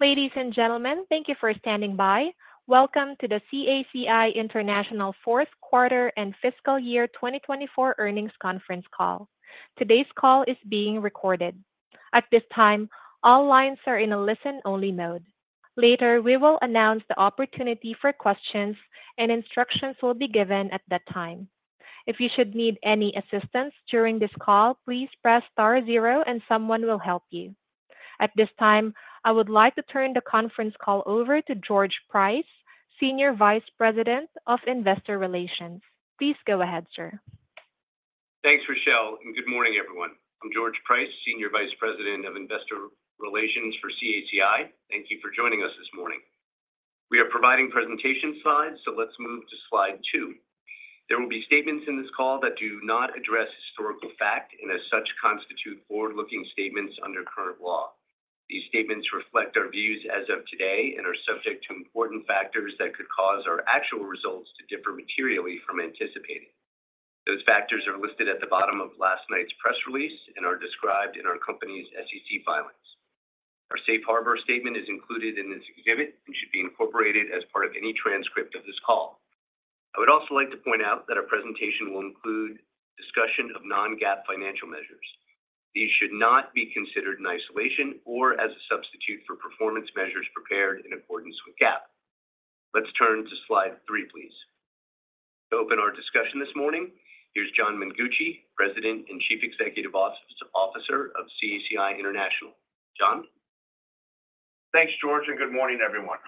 Ladies and gentlemen, thank you for standing by. Welcome to the CACI International Fourth Quarter and Fiscal Year 2024 Earnings Conference Call. Today's call is being recorded. At this time, all lines are in a listen-only mode. Later, we will announce the opportunity for questions, and instructions will be given at that time. If you should need any assistance during this call, please press star zero, and someone will help you. At this time, I would like to turn the conference call over to George Price, Senior Vice President of Investor Relations. Please go ahead, sir. Thanks, Rochelle, and good morning, everyone. I'm George Price, Senior Vice President of Investor Relations for CACI. Thank you for joining us this morning. We are providing presentation slides, so let's move to slide two. There will be statements in this call that do not address historical fact, and as such, constitute forward-looking statements under current law. These statements reflect our views as of today and are subject to important factors that could cause our actual results to differ materially from anticipated. Those factors are listed at the bottom of last night's press release and are described in our company's SEC filings. Our safe harbor statement is included in this exhibit and should be incorporated as part of any transcript of this call. I would also like to point out that our presentation will include discussion of non-GAAP financial measures. These should not be considered in isolation or as a substitute for performance measures prepared in accordance with GAAP. Let's turn to slide three, please. To open our discussion this morning, here's John Mengucci, President and Chief Executive Officer of CACI International. John? Thanks, George, and good morning, everyone.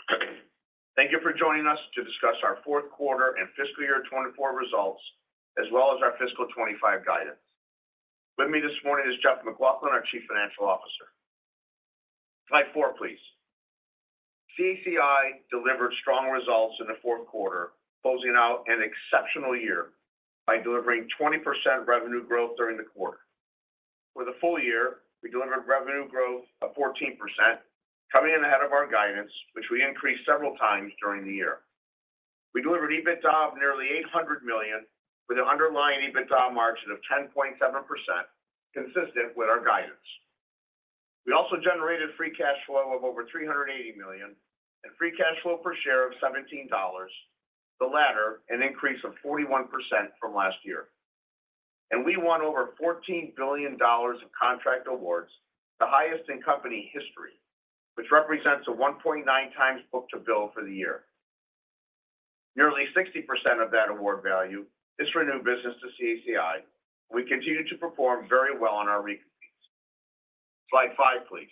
Thank you for joining us to discuss our fourth quarter and fiscal year 2024 results, as well as our fiscal 2025 guidance. With me this morning is Jeff McLaughlin, our Chief Financial Officer. Slide four, please. CACI delivered strong results in the fourth quarter, closing out an exceptional year by delivering 20% revenue growth during the quarter. For the full year, we delivered revenue growth of 14%, coming in ahead of our guidance, which we increased several times during the year. We delivered EBITDA of nearly $800 million, with an underlying EBITDA margin of 10.7%, consistent with our guidance. We also generated free cash flow of over $380 million and free cash flow per share of $17, the latter an increase of 41% from last year. We won over $14 billion of contract awards, the highest in company history, which represents a 1.9x book-to-bill for the year. Nearly 60% of that award value is for new business to CACI, and we continue to perform very well on our recent recompetes. Slide five, please.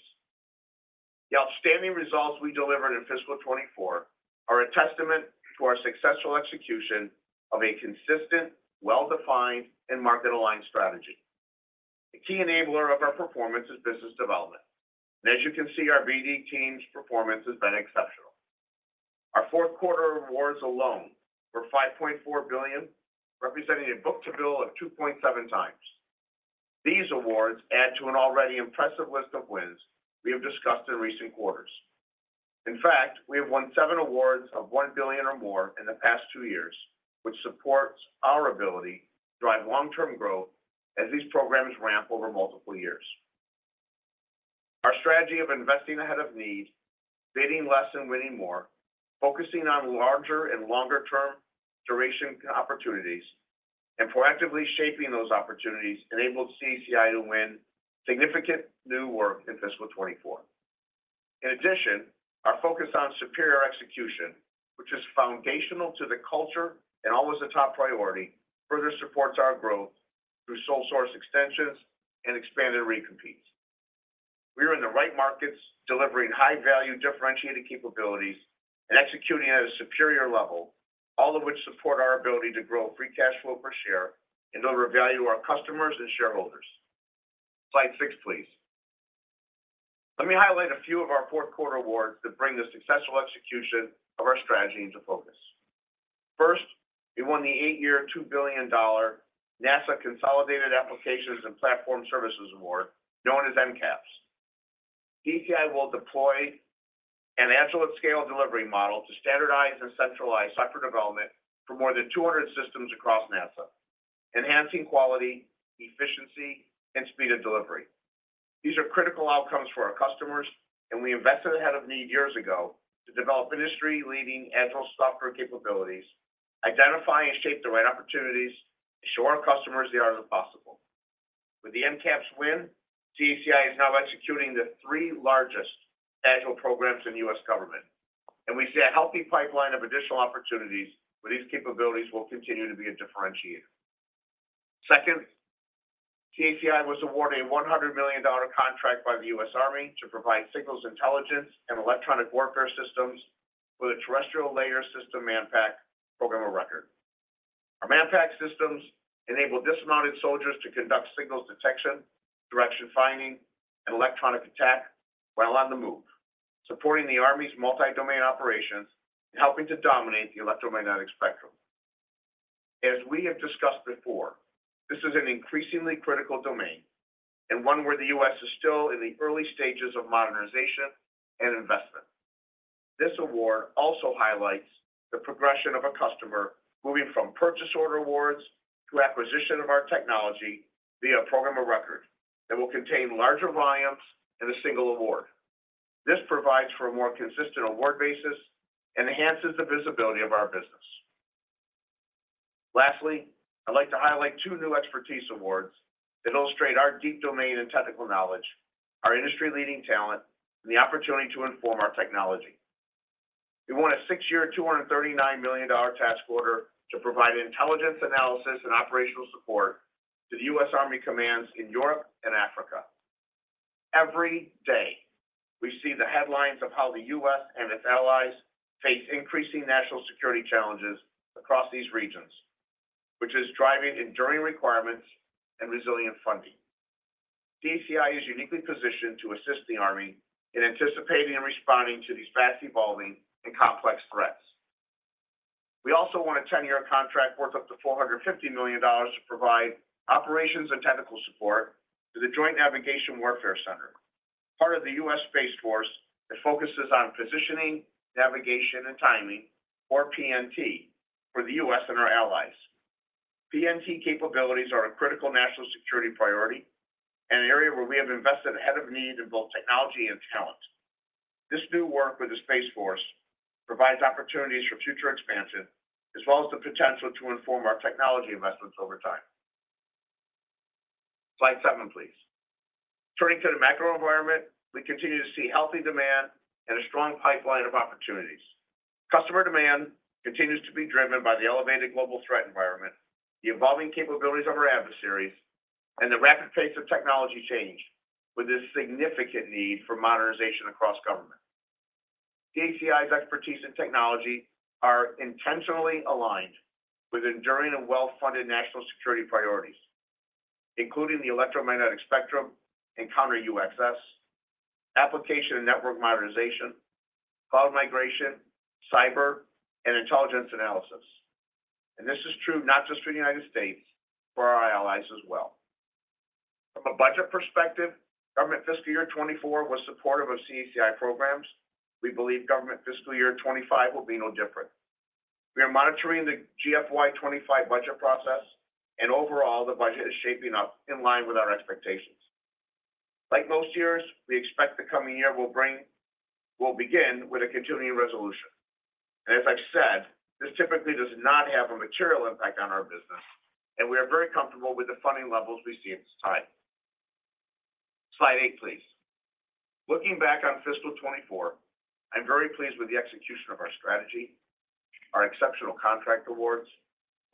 The outstanding results we delivered in fiscal 2024 are a testament to our successful execution of a consistent, well-defined, and market-aligned strategy. A key enabler of our performance is business development. And as you can see, our BD team's performance has been exceptional. Our fourth quarter awards alone were $5.4 billion, representing a book-to-bill of 2.7x. These awards add to an already impressive list of wins we have discussed in recent quarters. In fact, we have won 7 awards of $1 billion or more in the past 2 years, which supports our ability to drive long-term growth as these programs ramp over multiple years. Our strategy of investing ahead of need, bidding less and winning more, focusing on larger and longer-term duration opportunities, and proactively shaping those opportunities enabled CACI to win significant new work in fiscal 2024. In addition, our focus on superior execution, which is foundational to the culture and always a top priority, further supports our growth through sole source extensions and expanded recompetes. We are in the right markets, delivering high-value differentiated capabilities and executing at a superior level, all of which support our ability to grow free cash flow per share and overvalue our customers and shareholders. Slide six, please. Let me highlight a few of our fourth-quarter awards that bring the successful execution of our strategy into focus. First, we won the eight-year $2 billion NASA Consolidated Applications and Platform Services Award, known as NCAPS. CACI will deploy an agile at-scale delivery model to standardize and centralize software development for more than 200 systems across NASA, enhancing quality, efficiency, and speed of delivery. These are critical outcomes for our customers, and we invested ahead of need years ago to develop industry-leading agile software capabilities, identify and shape the right opportunities, and show our customers the art of the possible. With the NCAPS win, CACI is now executing the three largest agile programs in U.S. government, and we see a healthy pipeline of additional opportunities where these capabilities will continue to be a differentiator. Second, CACI was awarded a $100 million contract by the U.S. Army to provide signals intelligence and electronic warfare systems for the Terrestrial Layer System Manpack program of record. Our Manpack systems enable dismounted soldiers to conduct signals detection, direction finding, and electronic attack while on the move, supporting the Army's multi-domain operations and helping to dominate the electromagnetic spectrum. As we have discussed before, this is an increasingly critical domain and one where the U.S. is still in the early stages of modernization and investment. This award also highlights the progression of a customer moving from purchase order awards to acquisition of our technology via a program of record that will contain larger volumes in a single award. This provides for a more consistent award basis and enhances the visibility of our business. Lastly, I'd like to highlight two new expertise awards that illustrate our deep domain and technical knowledge, our industry-leading talent, and the opportunity to inform our technology. We won a 6-year $239 million task order to provide intelligence analysis and operational support to the U.S. Army commands in Europe and Africa. Every day, we see the headlines of how the U.S. and its allies face increasing national security challenges across these regions, which is driving enduring requirements and resilient funding. CACI is uniquely positioned to assist the Army in anticipating and responding to these fast-evolving and complex threats. We also won a 10-year contract worth up to $450 million to provide operations and technical support to the Joint Navigation Warfare Center, part of the U.S. Space Force that focuses on positioning, navigation, and timing, or PNT, for the U.S. and our allies. PNT capabilities are a critical national security priority and an area where we have invested ahead of need in both technology and talent. This new work with the Space Force provides opportunities for future expansion, as well as the potential to inform our technology investments over time. Slide seven, please. Turning to the macro environment, we continue to see healthy demand and a strong pipeline of opportunities. Customer demand continues to be driven by the elevated global threat environment, the evolving capabilities of our adversaries, and the rapid pace of technology change, with a significant need for modernization across government. CACI's expertise and technology are intentionally aligned with enduring and well-funded national security priorities, including the electromagnetic spectrum and counter-UxS, application and network modernization, cloud migration, cyber, and intelligence analysis. And this is true not just for the United States, but for our allies as well. From a budget perspective, government fiscal year 2024 was supportive of CACI programs. We believe government fiscal year 2025 will be no different. We are monitoring the GFY 2025 budget process, and overall, the budget is shaping up in line with our expectations. Like most years, we expect the coming year will begin with a continuing resolution. As I've said, this typically does not have a material impact on our business, and we are very comfortable with the funding levels we see at this time. Slide eight, please. Looking back on fiscal 2024, I'm very pleased with the execution of our strategy, our exceptional contract awards,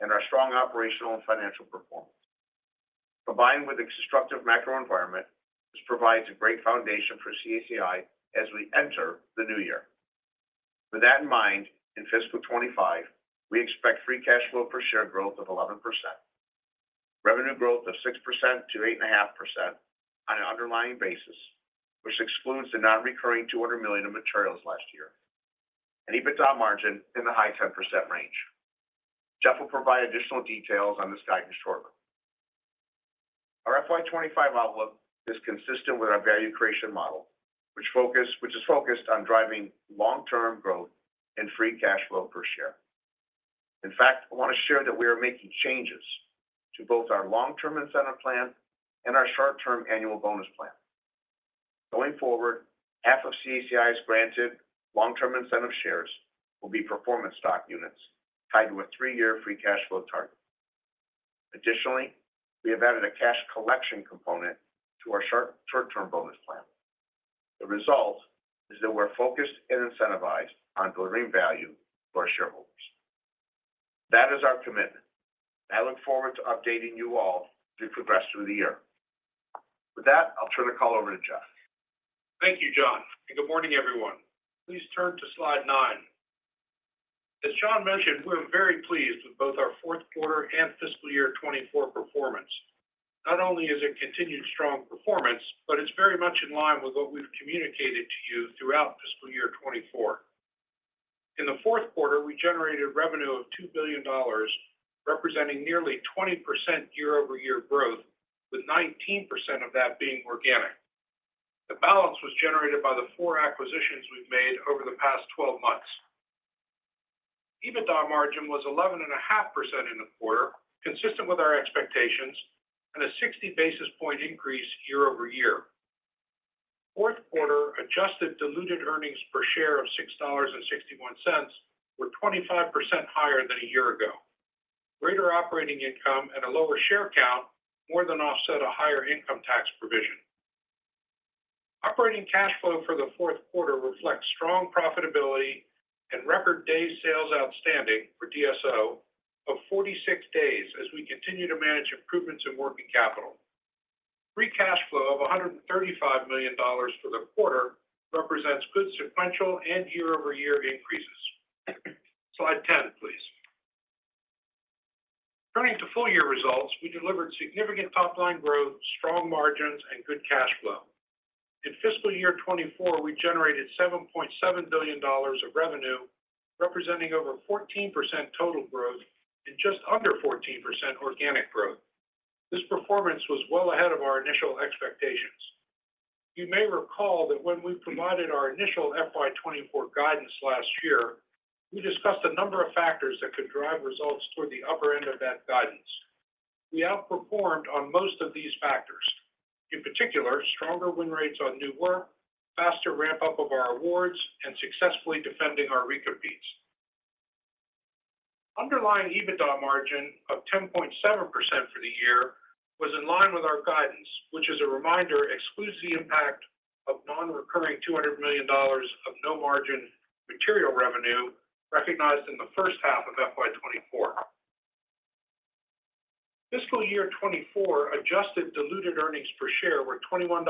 and our strong operational and financial performance. Combined with the constructive macro environment, this provides a great foundation for CACI as we enter the new year. With that in mind, in fiscal 2025, we expect free cash flow per share growth of 11%, revenue growth of 6%-8.5% on an underlying basis, which excludes the non-recurring $200 million of materials last year, and EBITDA margin in the high 10% range. Jeff will provide additional details on this guidance shortly. Our FY 2025 outlook is consistent with our value creation model, which is focused on driving long-term growth and free cash flow per share. In fact, I want to share that we are making changes to both our long-term incentive plan and our short-term annual bonus plan. Going forward, half of CACI's granted long-term incentive shares will be performance stock units tied to a three-year free cash flow target. Additionally, we have added a cash collection component to our short-term bonus plan. The result is that we're focused and incentivized on delivering value for our shareholders. That is our commitment, and I look forward to updating you all as we progress through the year. With that, I'll turn the call over to Jeff Thank you, John, and good morning, everyone. Please turn to slide nine. As John mentioned, we're very pleased with both our fourth quarter and fiscal year 2024 performance. Not only is it continued strong performance, but it's very much in line with what we've communicated to you throughout fiscal year 2024. In the fourth quarter, we generated revenue of $2 billion, representing nearly 20% year-over-year growth, with 19% of that being organic. The balance was generated by the 4 acquisitions we've made over the past 12 months. EBITDA margin was 11.5% in the quarter, consistent with our expectations, and a 60 basis point increase year-over-year. Fourth quarter adjusted diluted earnings per share of $6.61 were 25% higher than a year ago. Greater operating income and a lower share count more than offset a higher income tax provision. Operating cash flow for the fourth quarter reflects strong profitability and record days sales outstanding for DSO of 46 days as we continue to manage improvements in working capital. Free cash flow of $135 million for the quarter represents good sequential and year-over-year increases. Slide 10, please. Turning to full-year results, we delivered significant top-line growth, strong margins, and good cash flow. In fiscal year 2024, we generated $7.7 billion of revenue, representing over 14% total growth and just under 14% organic growth. This performance was well ahead of our initial expectations. You may recall that when we provided our initial FY 2024 guidance last year, we discussed a number of factors that could drive results toward the upper end of that guidance. We outperformed on most of these factors. In particular, stronger win rates on new work, faster ramp-up of our awards, and successfully defending our recompetes. Underlying EBITDA margin of 10.7% for the year was in line with our guidance, which was the exclusive impact of non-recurring $200 million of no-margin material revenue recognized in the first half of FY 2024. Fiscal year 2024 adjusted diluted earnings per share were $21.05,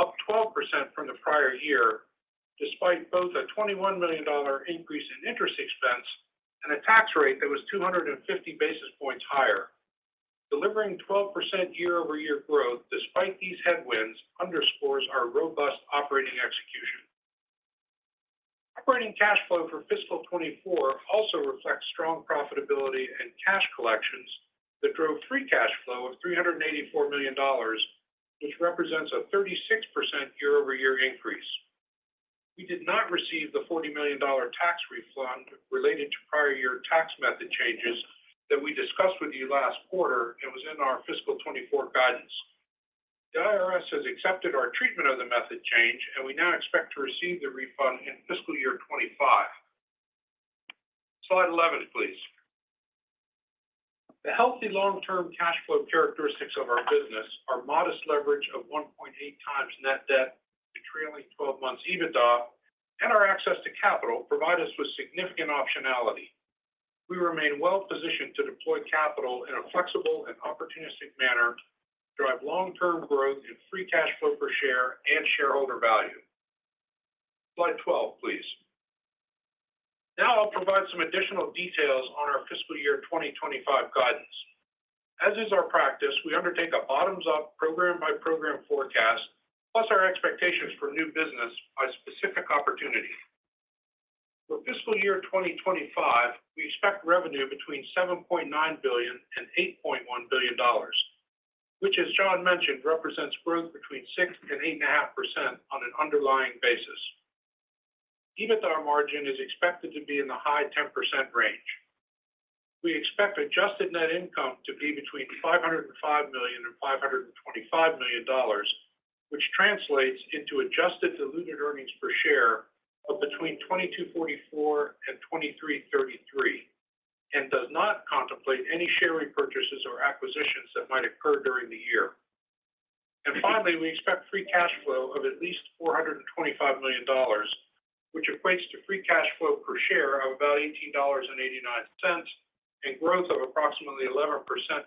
up 12% from the prior year, despite both a $21 million increase in interest expense and a tax rate that was 250 basis points higher. Delivering 12% year-over-year growth despite these headwinds underscores our robust operating execution. Operating cash flow for fiscal 2024 also reflects strong profitability and cash collections that drove free cash flow of $384 million, which represents a 36% year-over-year increase. We did not receive the $40 million tax refund related to prior year tax method changes that we discussed with you last quarter and was in our fiscal 2024 guidance. The IRS has accepted our treatment of the method change, and we now expect to receive the refund in fiscal year 2025. Slide 11, please. The healthy long-term cash flow characteristics of our business are modest leverage of 1.8x net debt between only 12 months EBITDA, and our access to capital provides us with significant optionality. We remain well-positioned to deploy capital in a flexible and opportunistic manner, drive long-term growth in free cash flow per share and shareholder value. Slide 12, please. Now I'll provide some additional details on our fiscal year 2025 guidance. As is our practice, we undertake a bottoms-up program-by-program forecast, plus our expectations for new business by specific opportunity. For fiscal year 2025, we expect revenue between $7.9 billion and $8.1 billion, which, as John mentioned, represents growth between 6% and 8.5% on an underlying basis. EBITDA margin is expected to be in the high 10% range. We expect adjusted net income to be between $505 million and $525 million, which translates into adjusted diluted earnings per share of between $2,244 and $2,333, and does not contemplate any share repurchases or acquisitions that might occur during the year. And finally, we expect free cash flow of at least $425 million, which equates to free cash flow per share of about $18.89 and growth of approximately 11%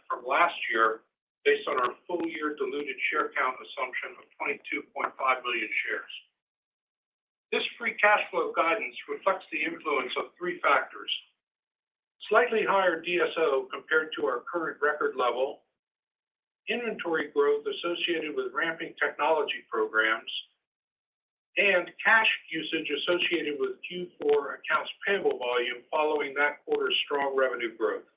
from last year based on our full-year diluted share count assumption of 22.5 million shares. This free cash flow guidance reflects the influence of three factors: slightly higher DSO compared to our current record level, inventory growth associated with ramping technology programs, and cash usage associated with Q4 accounts payable volume following that quarter's strong revenue growth.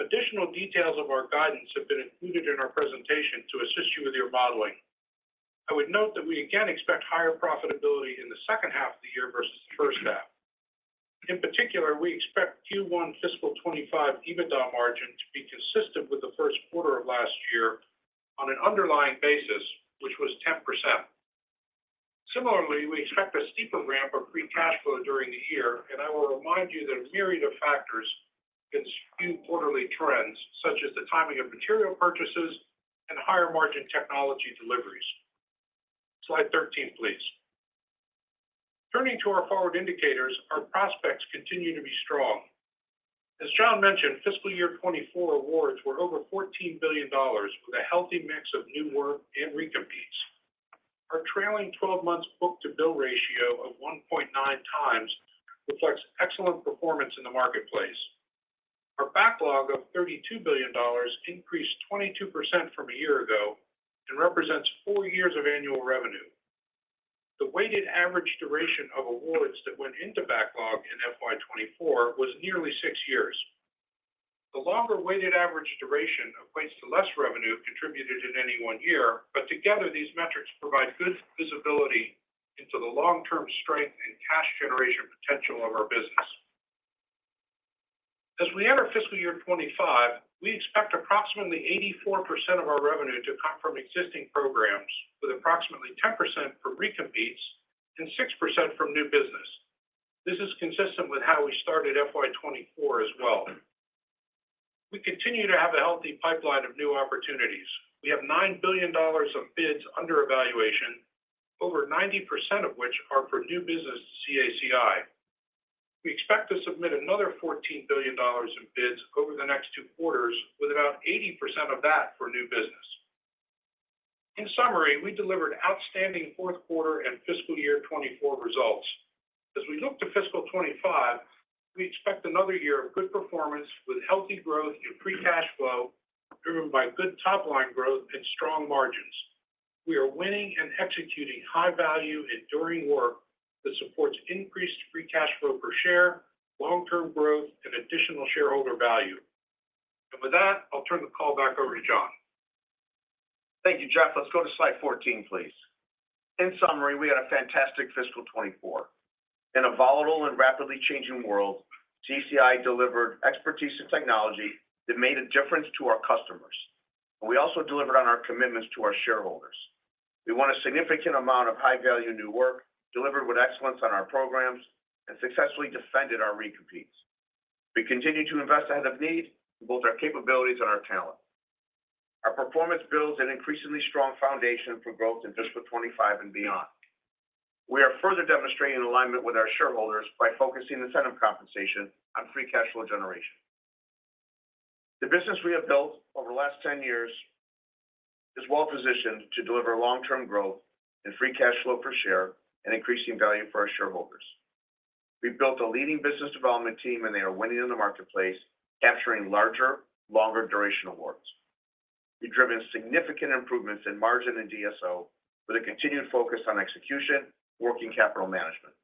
Additional details of our guidance have been included in our presentation to assist you with your modeling. I would note that we again expect higher profitability in the second half of the year versus the first half. In particular, we expect Q1 fiscal 2025 EBITDA margin to be consistent with the first quarter of last year on an underlying basis, which was 10%. Similarly, we expect a steeper ramp of free cash flow during the year, and I will remind you that a myriad of factors can skew quarterly trends, such as the timing of material purchases and higher margin technology deliveries. Slide 13, please. Turning to our forward indicators, our prospects continue to be strong. As John mentioned, fiscal year 2024 awards were over $14 billion, with a healthy mix of new work and recompetes. Our trailing 12-month book-to-bill ratio of 1.9x reflects excellent performance in the marketplace. Our backlog of $32 billion increased 22% from a year ago and represents four years of annual revenue. The weighted average duration of awards that went into backlog in FY 2024 was nearly six years. The longer weighted average duration equates to less revenue contributed in any one year, but together, these metrics provide good visibility into the long-term strength and cash generation potential of our business. As we enter fiscal year 2025, we expect approximately 84% of our revenue to come from existing programs, with approximately 10% from recompetes and 6% from new business. This is consistent with how we started FY 2024 as well. We continue to have a healthy pipeline of new opportunities. We have $9 billion of bids under evaluation, over 90% of which are for new business CACI. We expect to submit another $14 billion of bids over the next two quarters, with about 80% of that for new business. In summary, we delivered outstanding fourth-quarter and fiscal year 2024 results. As we look to fiscal 2025, we expect another year of good performance with healthy growth in free cash flow driven by good top-line growth and strong margins. We are winning and executing high-value, enduring work that supports increased free cash flow per share, long-term growth, and additional shareholder value. With that, I'll turn the call back over to John. Thank you, Jeff. Let's go to slide 14, please. In summary, we had a fantastic fiscal 2024. In a volatile and rapidly changing world, CACI delivered expertise and technology that made a difference to our customers. And we also delivered on our commitments to our shareholders. We won a significant amount of high-value new work, delivered with excellence on our programs, and successfully defended our recompetes. We continue to invest ahead of need in both our capabilities and our talent. Our performance builds an increasingly strong foundation for growth in fiscal 2025 and beyond. We are further demonstrating alignment with our shareholders by focusing incentive compensation on free cash flow generation. The business we have built over the last 10 years is well-positioned to deliver long-term growth in free cash flow per share and increasing value for our shareholders. We've built a leading business development team, and they are winning in the marketplace, capturing larger, longer-duration awards. We've driven significant improvements in margin and DSO with a continued focus on execution and working capital management.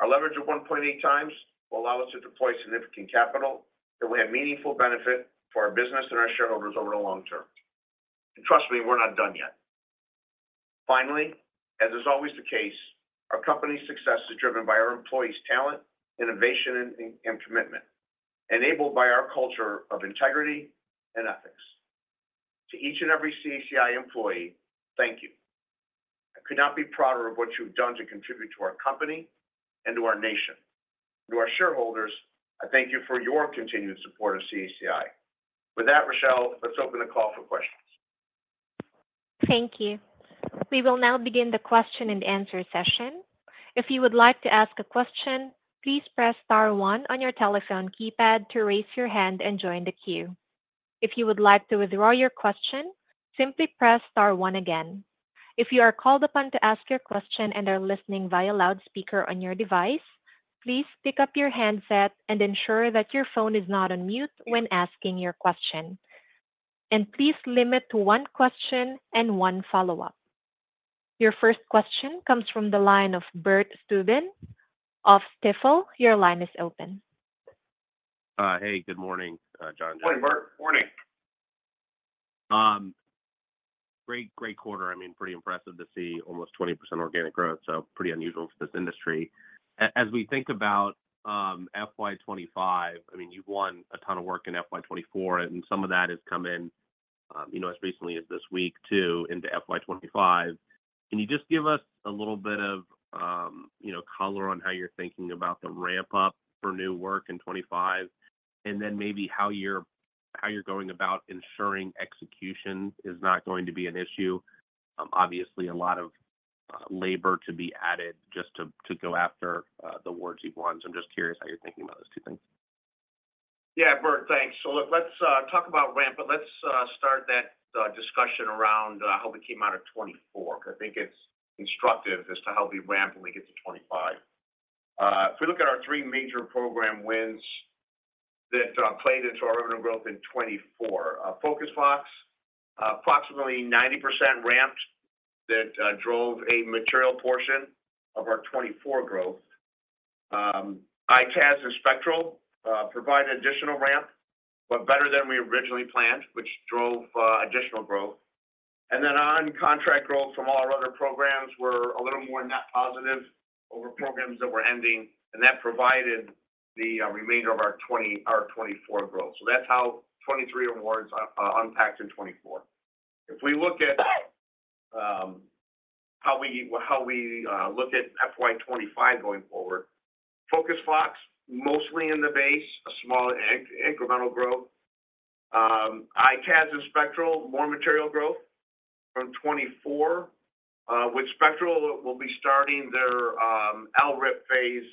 Our leverage of 1.8x will allow us to deploy significant capital that will have meaningful benefit for our business and our shareholders over the long term. And trust me, we're not done yet. Finally, as is always the case, our company's success is driven by our employees' talent, innovation, and commitment, enabled by our culture of integrity and ethics. To each and every CACI employee, thank you. I could not be prouder of what you've done to contribute to our company and to our nation. To our shareholders, I thank you for your continued support of CACI. With that, Rochelle, let's open the call for questions. Thank you. We will now begin the question-and-answer session. If you would like to ask a question, please press star one on your telephone keypad to raise your hand and join the queue. If you would like to withdraw your question, simply press star one again. If you are called upon to ask your question and are listening via loudspeaker on your device, please pick up your handset and ensure that your phone is not on mute when asking your question. Please limit to one question and one follow-up. Your first question comes from the line of Bert Subin of Stifel. Your line is open. Hey, good morning, John. Morning, Bert. Morning. Great, great quarter. I mean, pretty impressive to see almost 20% organic growth, so pretty unusual for this industry. As we think about FY 2025, I mean, you've won a ton of work in FY 2024, and some of that has come in as recently as this week too into FY 2025. Can you just give us a little bit of color on how you're thinking about the ramp-up for new work in 2025, and then maybe how you're going about ensuring execution is not going to be an issue? Obviously, a lot of labor to be added just to go after the awards you've won. So I'm just curious how you're thinking about those two things. Yeah, Bert, thanks. So look, let's talk about ramp, but let's start that discussion around how we came out of 2024, because I think it's instructive as to how we ramp when we get to 2025. If we look at our three major program wins that played into our overall growth in 2024, FocusFox, approximately 90% ramped that drove a material portion of our 2024 growth. ITaaS and Spectral provided additional ramp, but better than we originally planned, which drove additional growth. And then on contract growth from all our other programs, we're a little more net positive over programs that we're ending, and that provided the remainder of our 2024 growth. So that's how 2023 awards unpacked in 2024. If we look at how we look at FY 2025 going forward, FocusFox, mostly in the base, a small incremental growth. ITaaS and Spectral, more material growth from 2024. With Spectral, we'll be starting their LRIP phase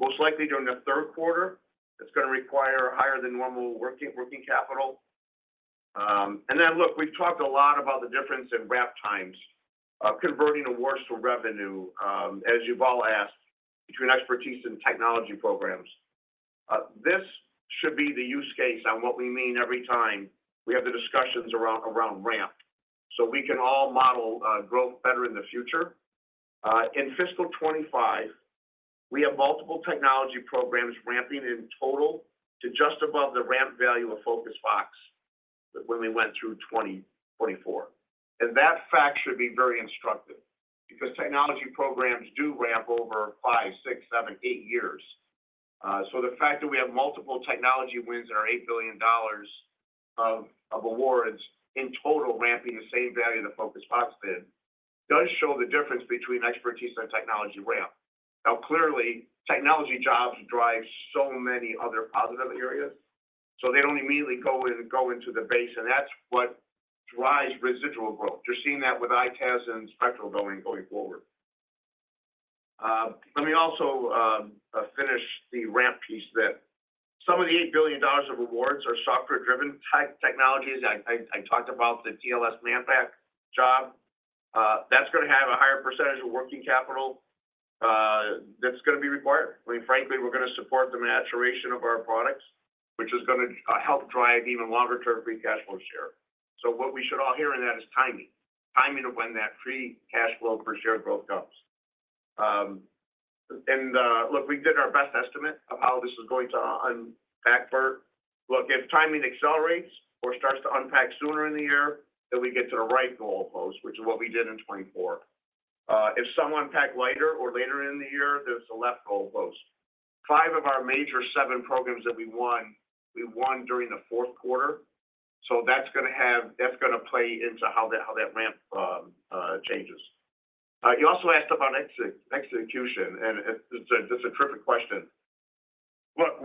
most likely during the third quarter. It's going to require higher than normal working capital. And then look, we've talked a lot about the difference in ramp times, converting awards to revenue, as you've all asked, between expertise and technology programs. This should be the use case on what we mean every time we have the discussions around ramp, so we can all model growth better in the future. In fiscal 2025, we have multiple technology programs ramping in total to just above the ramp value of FocusFox when we went through 2024. And that fact should be very instructive because technology programs do ramp over 5 years, 6 years, 7 years, 8 years. So the fact that we have multiple technology wins in our $8 billion of awards in total ramping the same value that FocusFox did does show the difference between expertise and technology ramp. Now, clearly, technology jobs drive so many other positive areas, so they don't immediately go into the base, and that's what drives residual growth. You're seeing that with ITaaS and Spectral going forward. Let me also finish the ramp piece that some of the $8 billion of awards are software-driven type technologies. I talked about the TLS Manpack job. That's going to have a higher percentage of working capital that's going to be required. I mean, frankly, we're going to support the maturation of our products, which is going to help drive even longer-term free cash flow share. So what we should all hear in that is timing, timing of when that free cash flow per share growth comes. And look, we did our best estimate of how this is going to unpack, Bert. Look, if timing accelerates or starts to unpack sooner in the year, then we get to the right goal post, which is what we did in 2024. If some unpack later or later in the year, there's a left goal post. 5 of our major 7 programs that we won, we won during the fourth quarter, so that's going to play into how that ramp changes. You also asked about execution, and it's a terrific question. Look,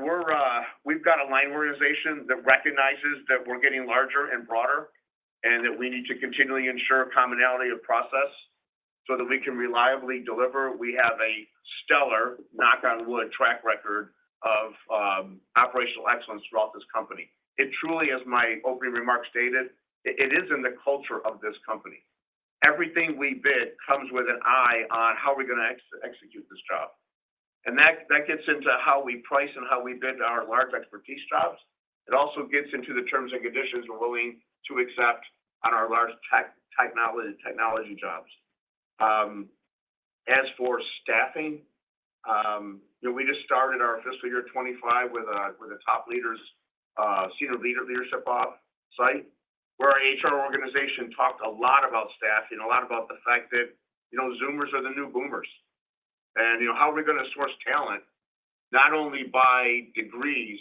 we've got a line organization that recognizes that we're getting larger and broader and that we need to continually ensure commonality of process so that we can reliably deliver. We have a stellar, knock on wood, track record of operational excellence throughout this company. It truly, as my opening remarks stated, it is in the culture of this company. Everything we bid comes with an eye on how we're going to execute this job. And that gets into how we price and how we bid our large expertise jobs. It also gets into the terms and conditions we're willing to accept on our large technology jobs. As for staffing, we just started our fiscal year 2025 with a top leader's senior leadership off-site, where our HR organization talked a lot about staffing, a lot about the fact that Zoomers are the new boomers. How are we going to source talent, not only by degrees,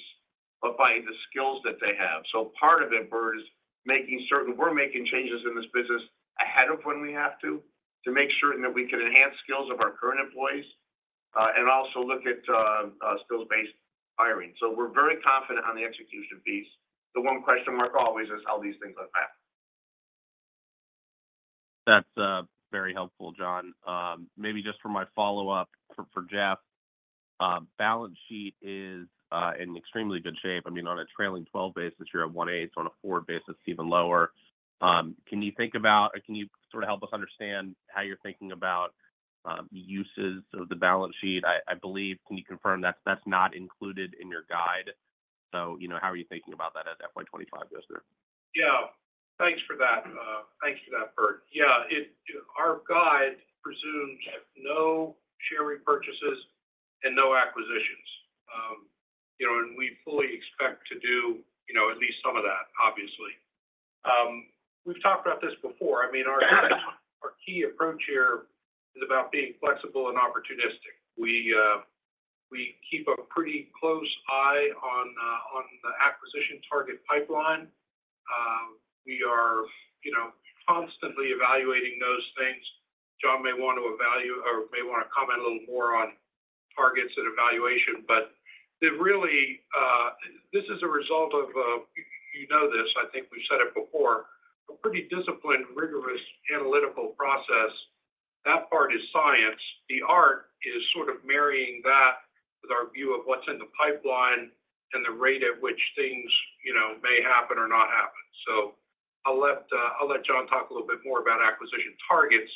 but by the skills that they have? Part of it, Bert, is making certain we're making changes in this business ahead of when we have to, to make sure that we can enhance skills of our current employees and also look at skills-based hiring. We're very confident on the execution piece. The one question mark always is how these things unpack. That's very helpful, John. Maybe just for my follow-up for Jeff, balance sheet is in extremely good shape. I mean, on a trailing 12 basis, you're at 1.8. On a 4 basis, even lower. Can you think about or can you sort of help us understand how you're thinking about uses of the balance sheet? I believe, can you confirm that that's not included in your guide? So how, are you thinking about that as FY 2025 goes through? Yeah. Thanks for that. Thanks for that, Bert. Yeah. Our guide presumes no share repurchases and no acquisitions. And we fully expect to do at least some of that, obviously. We've talked about this before. I mean, our key approach here is about being flexible and opportunistic. We keep a pretty close eye on the acquisition target pipeline. We are constantly evaluating those things. John may want to evaluate or may want to comment a little more on targets and evaluation, but really, this is a result of, you know this, I think we've said it before, a pretty disciplined, rigorous, analytical process. That part is science. The art is sort of marrying that with our view of what's in the pipeline and the rate at which things may happen or not happen. So I'll let John talk a little bit more about acquisition targets,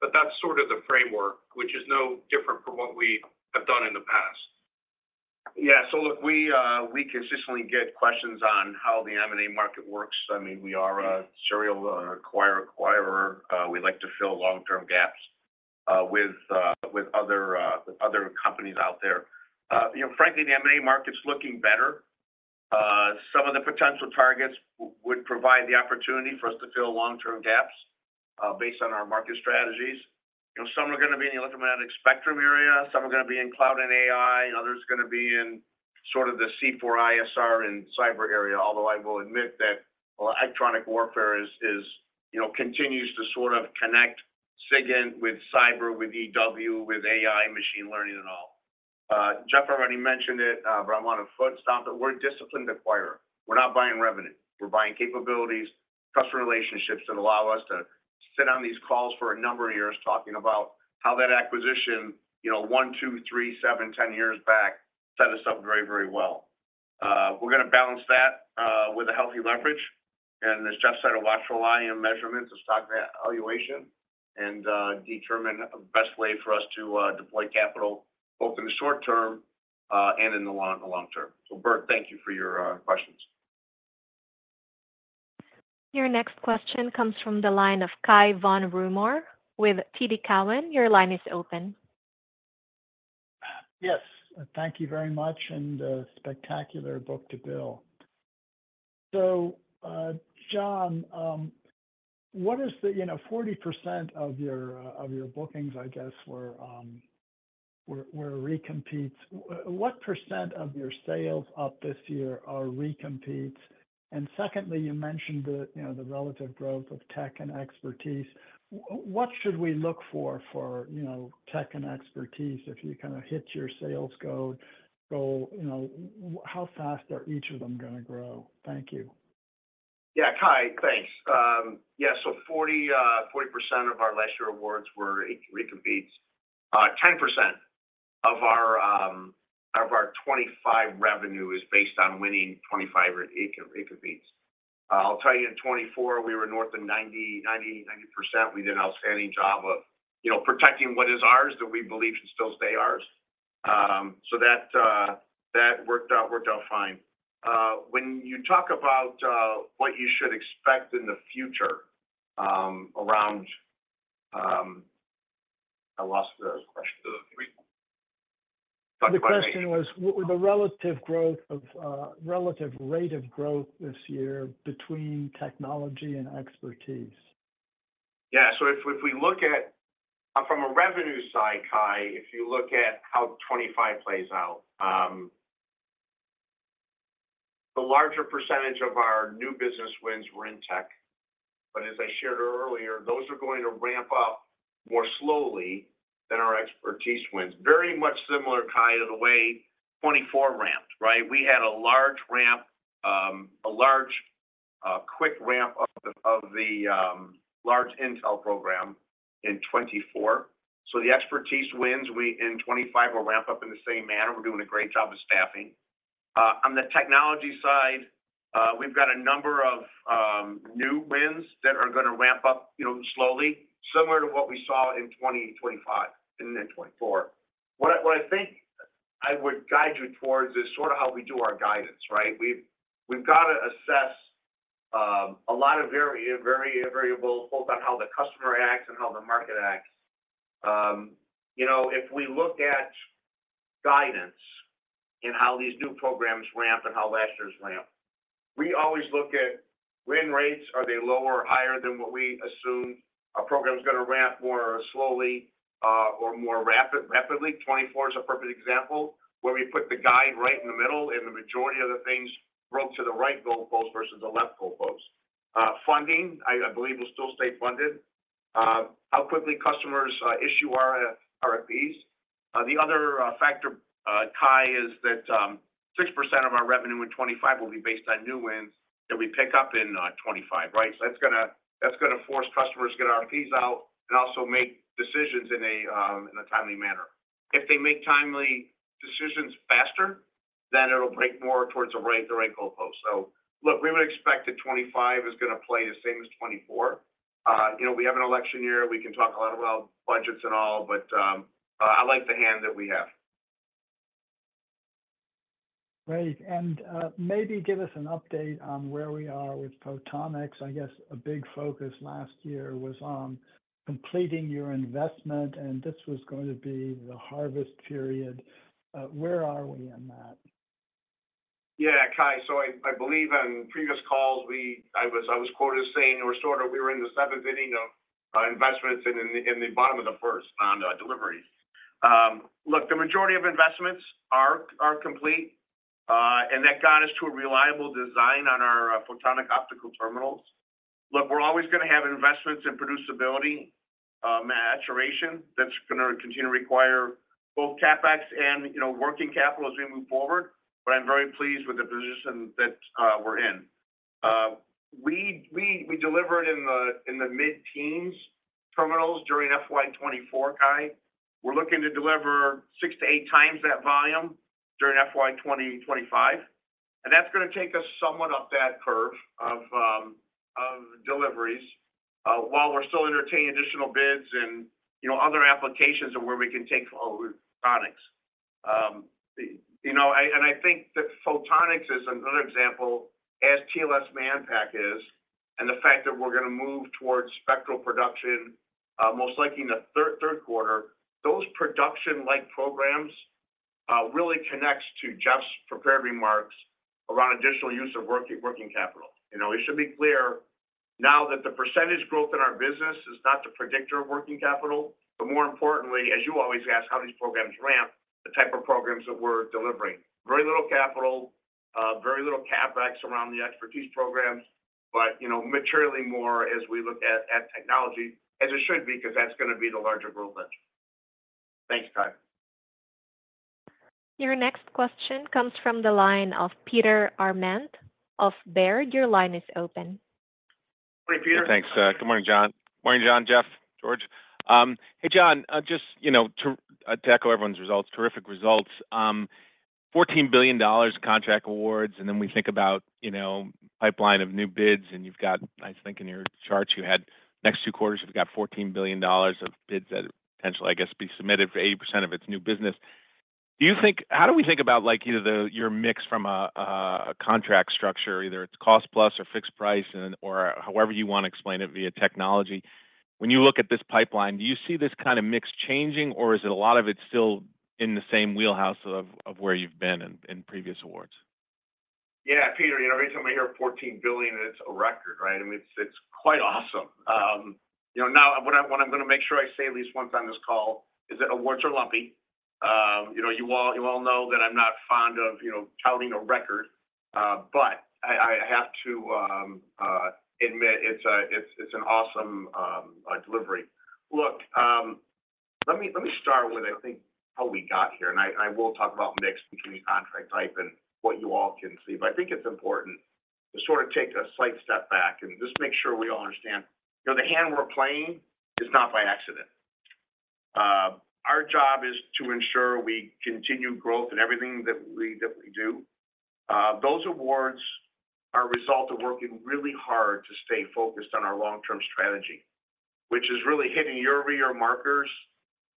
but that's sort of the framework, which is no different from what we have done in the past. Yeah. So look, we consistently get questions on how the M&A market works. I mean, we are a serial acquirer. We like to fill long-term gaps with other companies out there. Frankly, the M&A market's looking better. Some of the potential targets would provide the opportunity for us to fill long-term gaps based on our market strategies. Some are going to be in the electromagnetic spectrum area. Some are going to be in cloud and AI. Others are going to be in sort of the C4ISR and cyber area, although I will admit that electronic warfare continues to sort of connect SIGINT with cyber, with EW, with AI, machine learning, and all. Jeff already mentioned it, but I want to footstomp it. We're a disciplined acquirer. We're not buying revenue. We're buying capabilities, customer relationships that allow us to sit on these calls for a number of years talking about how that acquisition, 1 year, 2 year, 3 year, 7 year, 10 years back, set us up very, very well. We're going to balance that with a healthy leverage. And as Jeff said, a watchful eye and measurement of stock valuation and determine the best way for us to deploy capital, both in the short term and in the long term. So Bert, thank you for your questions. Your next question comes from the line of Cai von Rumohr with TD Cowen. Your line is open. Yes. Thank you very much. And spectacular book-to-bill. So John, what is the 40% of your bookings, I guess, were recompetes? What percent of your sales up this year are recompetes? And secondly, you mentioned the relative growth of tech and expertise. What should we look for, for tech and expertise if you kind of hit your sales goal? How fast are each of them going to grow? Thank you. Yeah. Cai, thanks. Yeah. So 40% of our last year awards were recompetes. 10% of our 2025 revenue is based on winning 2025 recompetes. I'll tell you, in 2024, we were north of 90, 90, 90%. We did an outstanding job of protecting what is ours that we believe should still stay ours. So that worked out fine. When you talk about what you should expect in the future around I lost the question. The question was, the relative growth, relative rate of growth this year between technology and expertise. Yeah. So if we look at from a revenue side, Cai, if you look at how 2025 plays out, the larger percentage of our new business wins were in tech. But as I shared earlier, those are going to ramp up more slowly than our expertise wins. Very much similar, Kai, to the way 2024 ramped, right? We had a large ramp, a large quick ramp of the large Intel program in 2024. So the expertise wins in 2025 will ramp up in the same manner. We're doing a great job of staffing. On the technology side, we've got a number of new wins that are going to ramp up slowly, similar to what we saw in 2025 and in 2024. What I think I would guide you towards is sort of how we do our guidance, right? We've got to assess a lot of variables, both on how the customer acts and how the market acts. If we look at guidance and how these new programs ramp and how last year's ramp, we always look at win rates. Are they lower or higher than what we assumed? A program's going to ramp more slowly or more rapidly. 2024 is a perfect example where we put the guide right in the middle, and the majority of the things broke to the right goalpost versus the left goalpost. Funding, I believe we'll still stay funded. How quickly customers issue our fees. The other factor, Cai, is that 6% of our revenue in 2025 will be based on new wins that we pick up in 2025, right? So that's going to force customers to get our fees out and also make decisions in a timely manner. If they make timely decisions faster, then it'll break more towards the right goalpost. So look, we would expect that 2025 is going to play the same as 2024. We have an election year. We can talk a lot about budgets and all, but I like the hand that we have. Great. And maybe give us an update on where we are with Photonics. I guess a big focus last year was on completing your investment, and this was going to be the harvest period. Where are we in that? Yeah. Cai, so I believe on previous calls, I was quoted as saying we were sort of in the seventh inning of investments and in the bottom of the first on deliveries. Look, the majority of investments are complete, and that got us to a reliable design on our Photonic Optical Terminals. Look, we're always going to have investments in producibility maturation that's going to continue to require both CapEx and working capital as we move forward, but I'm very pleased with the position that we're in. We delivered in the mid-teens terminals during FY 2024, Cai. We're looking to deliver 6-8x that volume during FY 2025. And that's going to take us somewhat up that curve of deliveries while we're still entertaining additional bids and other applications of where we can take photonics. And I think that Photonics is another example, as TLS Manpack is, and the fact that we're going to move towards Spectral production most likely in the third quarter. Those production-like programs really connect to Jeff's prepared remarks around additional use of working capital. It should be clear now that the percentage growth in our business is not the predictor of working capital, but more importantly, as you always ask, how these programs ramp, the type of programs that we're delivering. Very little capital, very little CapEx around the expertise programs, but materially more as we look at technology, as it should be, because that's going to be the larger growth engine. Thanks, Cai. Your next question comes from the line of Peter Arment of Baird. Your line is open. Hey, Peter. Thanks. Good morning, John. Morning, John, Jeff, George. Hey, John, just to echo everyone's results, terrific results. $14 billion contract awards, and then we think about pipeline of new bids, and you've got, I think, in your charts, you had next two quarters, you've got $14 billion of bids that potentially, I guess, be submitted for 80% of its new business. How do we think about either your mix from a contract structure, either it's cost plus or fixed price, or however you want to explain it via technology? When you look at this pipeline, do you see this kind of mix changing, or is a lot of it still in the same wheelhouse of where you've been in previous awards? Yeah. Peter, every time I hear $14 billion, it's a record, right? I mean, it's quite awesome. Now, what I'm going to make sure I say at least once on this call is that awards are lumpy. You all know that I'm not fond of touting a record, but I have to admit it's an awesome delivery. Look, let me start with, I think, how we got here. And I will talk about mix between contract type and what you all can see, but I think it's important to sort of take a slight step back and just make sure we all understand the hand we're playing is not by accident. Our job is to ensure we continue growth in everything that we do. Those awards are a result of working really hard to stay focused on our long-term strategy, which is really hitting your rear markers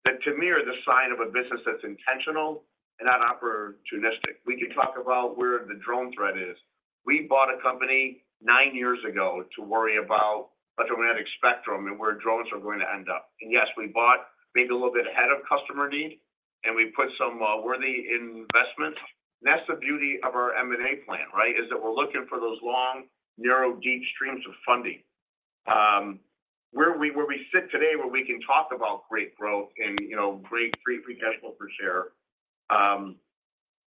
that, to me, are the sign of a business that's intentional and not opportunistic. We can talk about where the drone threat is. We bought a company nine years ago to worry about electromagnetic spectrum and where drones are going to end up. And yes, we bought maybe a little bit ahead of customer need, and we put some worthy investments. And that's the beauty of our M&A plan, right, is that we're looking for those long, narrow, deep streams of funding. Where we sit today, where we can talk about great growth and great free cash flow per share,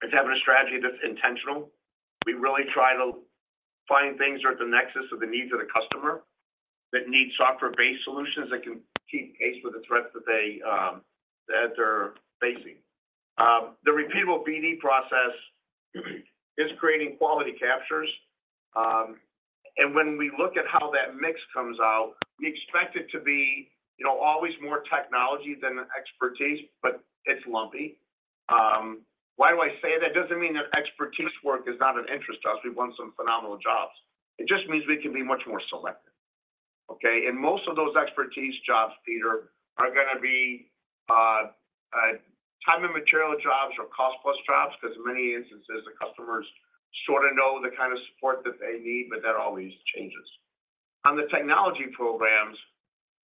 is having a strategy that's intentional. We really try to find things that are at the nexus of the needs of the customer that need software-based solutions that can keep pace with the threats that they're facing. The repeatable BD process is creating quality captures. And when we look at how that mix comes out, we expect it to be always more technology than expertise, but it's lumpy. Why do I say that? It doesn't mean that expertise work is not of interest to us. We've won some phenomenal jobs. It just means we can be much more selective. Okay? And most of those expertise jobs, Peter, are going to be time and material jobs or cost plus jobs, because in many instances, the customers sort of know the kind of support that they need, but that always changes. On the technology programs,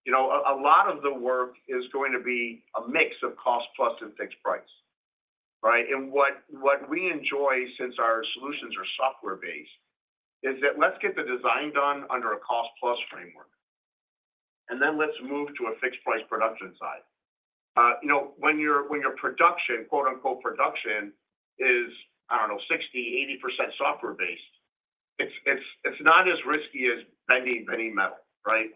a lot of the work is going to be a mix of cost-plus and fixed price, right? What we enjoy since our solutions are software-based is that let's get the design done under a cost-plus framework, and then let's move to a fixed price production side. When your production, quote-unquote production, is, I don't know, 60%-80% software-based, it's not as risky as bending metals, right?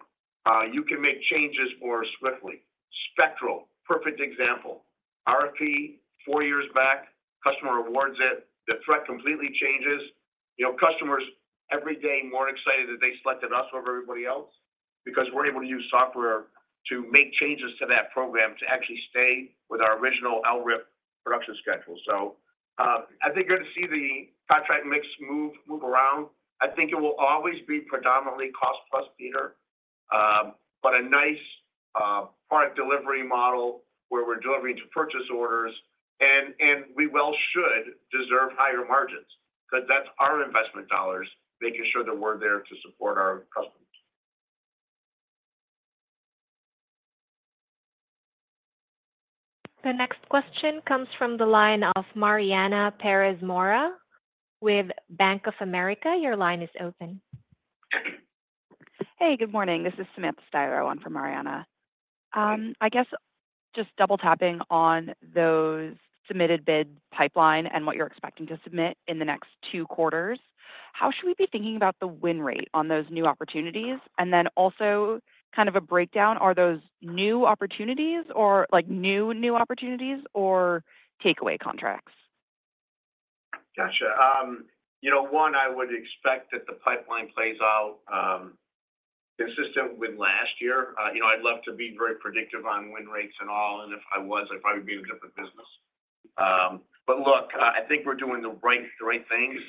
You can make changes more swiftly. Spectral, perfect example. RFP, four years back, customer awards it. The threat completely changes. Customers, every day, more excited that they selected us over everybody else because we're able to use software to make changes to that program to actually stay with our original LRIP production schedule. So I think you're going to see the contract mix move around. I think it will always be predominantly cost-plus, Peter, but a nice product delivery model where we're delivering to purchase orders, and we well should deserve higher margins because that's our investment dollars, making sure that we're there to support our customers. The next question comes from the line of Samantha Stiroh with Bank of America. Your line is open. Hey, good morning. This is Samantha Stiroh with Bank of America., one for Mariana. I guess just double-tapping on those submitted bid pipeline and what you're expecting to submit in the next two quarters, how should we be thinking about the win rate on those new opportunities? And then also kind of a breakdown, are those new opportunities or new, new opportunities or takeaway contracts? Got you. One, I would expect that the pipeline plays out consistent with last year. I'd love to be very predictive on win rates and all, and if I was, I probably would be in a different business. But look, I think we're doing the right things.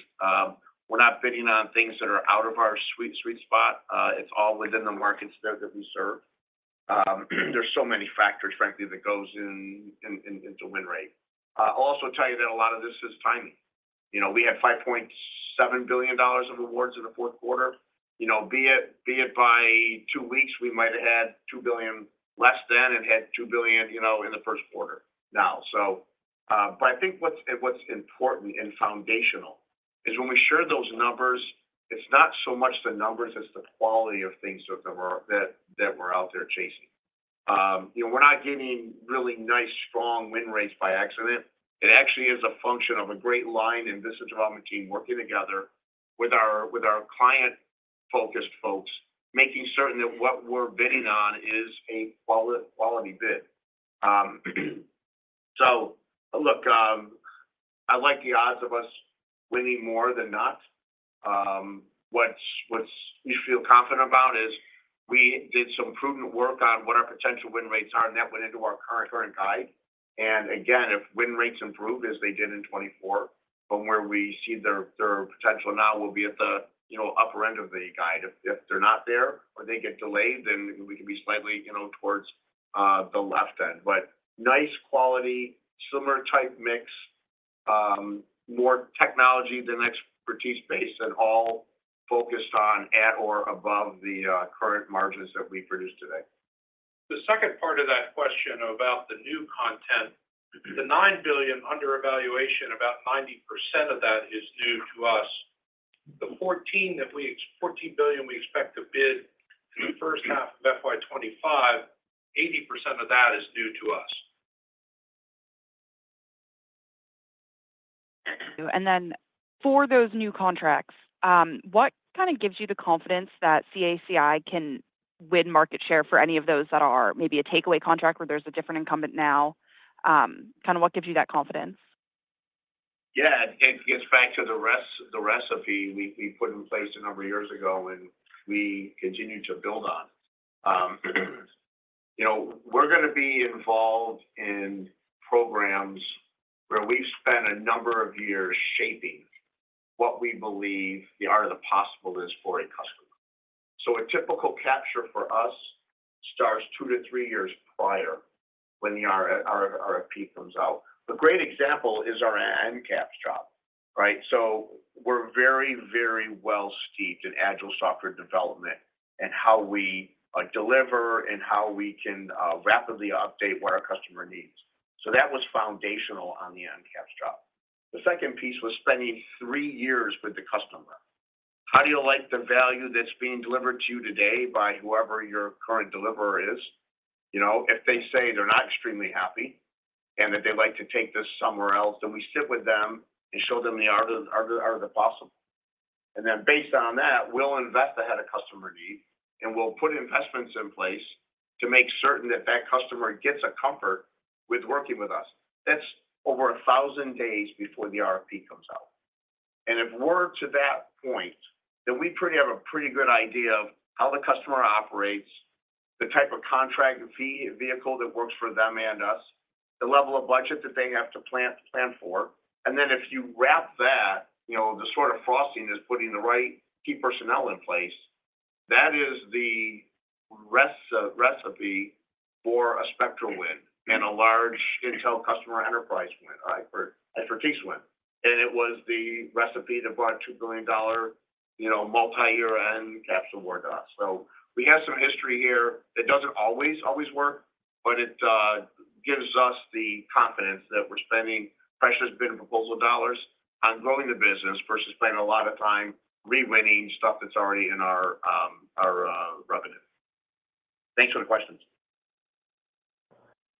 We're not bidding on things that are out of our sweet spot. It's all within the markets there that we serve. There's so many factors, frankly, that go into win rate. I'll also tell you that a lot of this is timing. We had $5.7 billion of awards in the fourth quarter. Be it by two weeks, we might have had $2 billion less than and had $2 billion in the first quarter now. But I think what's important and foundational is when we share those numbers, it's not so much the numbers, it's the quality of things that we're out there chasing. We're not getting really nice, strong win rates by accident. It actually is a function of a great line and business development team working together with our client-focused folks, making certain that what we're bidding on is a quality bid. So look, I like the odds of us winning more than not. What we feel confident about is we did some prudent work on what our potential win rates are, and that went into our current guide. And again, if win rates improve as they did in 2024, from where we see their potential now, we'll be at the upper end of the guide. If they're not there or they get delayed, then we can be slightly towards the left end. But nice quality, similar type mix, more technology than expertise-based, and all focused on at or above the current margins that we produce today. The second part of that question about the new content, the $9 billion under evaluation, about 90% of that is new to us. The $14 billion we expect to bid in the first half of FY 2025, 80% of that is new to us. And then for those new contracts, what kind of gives you the confidence that CACI can win market share for any of those that are maybe a takeaway contract where there's a different incumbent now? Kind of what gives you that confidence? Yeah. It gets back to the recipe we put in place a number of years ago, and we continue to build on it. We're going to be involved in programs where we've spent a number of years shaping what we believe the art of the possible is for a customer. So a typical capture for us starts 2-3 years prior when the RFP comes out. A great example is our NCAPS job, right? So we're very, very well steeped in agile software development and how we deliver and how we can rapidly update what our customer needs. So that was foundational on the NCAPS job. The second piece was spending 3 years with the customer. How do you like the value that's being delivered to you today by whoever your current deliverer is? If they say they're not extremely happy and that they'd like to take this somewhere else, then we sit with them and show them the art of the possible. And then based on that, we'll invest ahead of customer need, and we'll put investments in place to make certain that that customer gets a comfort with working with us. That's over 1,000 days before the RFP comes out. And if we're to that point, then we have a pretty good idea of how the customer operates, the type of contract vehicle that works for them and us, the level of budget that they have to plan for. And then if you wrap that, the sort of frosting is putting the right key personnel in place. That is the recipe for a Spectral win and a large intel customer enterprise win, right, or Expertise win. It was the recipe that brought $2 billion multi-year NCAPS award to us. We have some history here that doesn't always work, but it gives us the confidence that we're spending precious bid and proposal dollars on growing the business versus spending a lot of time rewinning stuff that's already in our revenue. Thanks for the questions.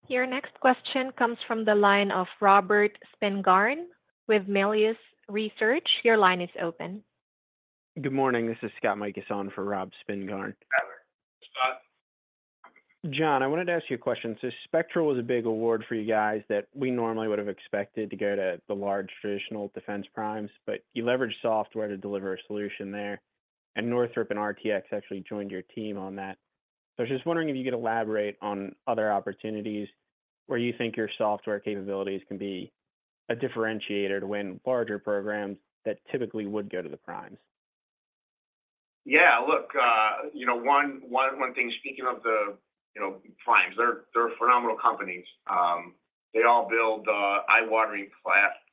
Your next question comes from the line of Scott Mikason with Melius Research. Your line is open. Good morning. This is Scott Mikason for Rob Spingarn. Scott. John, I wanted to ask you a question. So Spectral was a big award for you guys that we normally would have expected to go to the large traditional defense primes, but you leveraged software to deliver a solution there. And Northrop and RTX actually joined your team on that. So I was just wondering if you could elaborate on other opportunities where you think your software capabilities can be a differentiator to win larger programs that typically would go to the primes. Yeah. Look, one thing, speaking of the primes, they're phenomenal companies. They all build eye-watering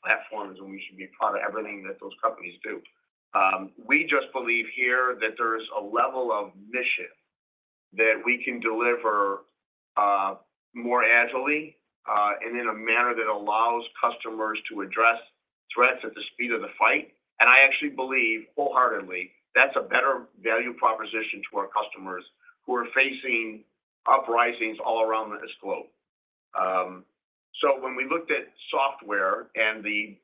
platforms, and we should be proud of everything that those companies do. We just believe here that there is a level of mission that we can deliver more agilely and in a manner that allows customers to address threats at the speed of the fight. And I actually believe wholeheartedly that's a better value proposition to our customers who are facing uprisings all around this globe. So when we looked at software and the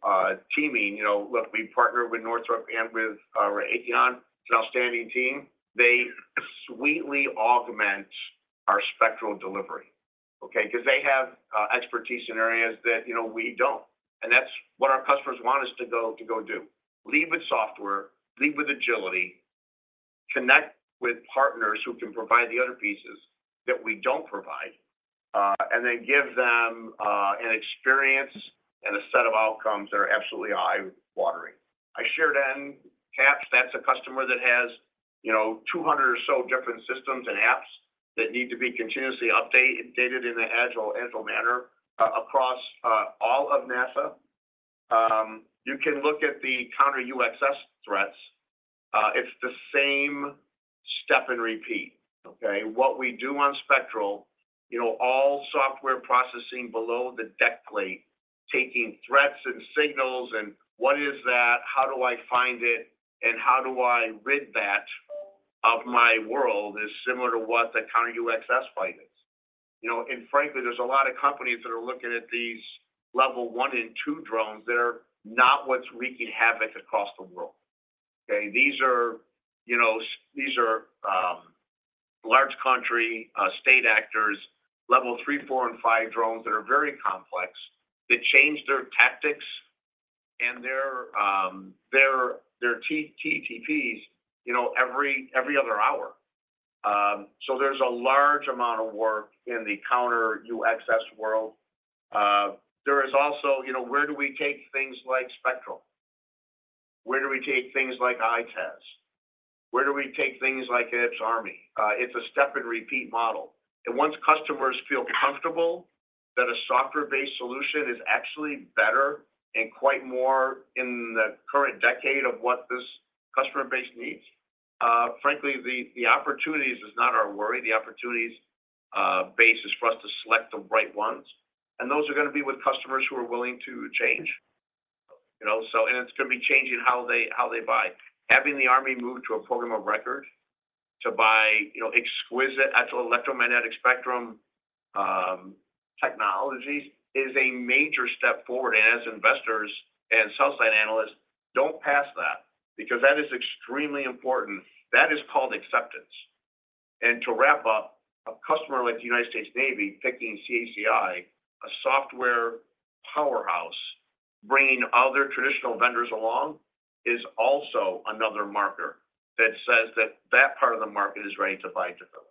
teaming, look, we partner with Northrop and with our Raytheon. It's an outstanding team. They sweetly augment our Spectral delivery, okay, because they have expertise in areas that we don't. And that's what our customers want us to go do. Lead with software, lead with agility, connect with partners who can provide the other pieces that we don't provide, and then give them an experience and a set of outcomes that are absolutely eye-watering. I shared NCAPS. That's a customer that has 200 or so different systems and apps that need to be continuously updated in an agile manner across all of NASA. You can look at the counter UxS threats. It's the same step and repeat, okay? What we do on Spectral, all software processing below the deck plate, taking threats and signals and what is that, how do I find it, and how do I rid that of my world is similar to what the counter UxS fight is. And frankly, there's a lot of companies that are looking at these level one and two drones that are not what's wreaking havoc across the world, okay? These are large country-state actors, level three, four, and five drones that are very complex that change their tactics and their TTPs every other hour. So there's a large amount of work in the counter UxS world. There is also, where do we take things like Spectral? Where do we take things like ITaaS? Where do we take things like ITaaS Army? It's a step and repeat model. And once customers feel comfortable that a software-based solution is actually better and quite more in the current decade of what this customer base needs, frankly, the opportunities is not our worry. The opportunities base is for us to select the right ones. And those are going to be with customers who are willing to change. And it's going to be changing how they buy. Having the Army move to a program of record to buy exquisite electromagnetic spectrum technologies is a major step forward. As investors and sell-side analysts, don't pass that because that is extremely important. That is called acceptance. To wrap up, a customer like the United States Navy picking CACI, a software powerhouse, bringing other traditional vendors along is also another marker that says that, that part of the market is ready to buy differently.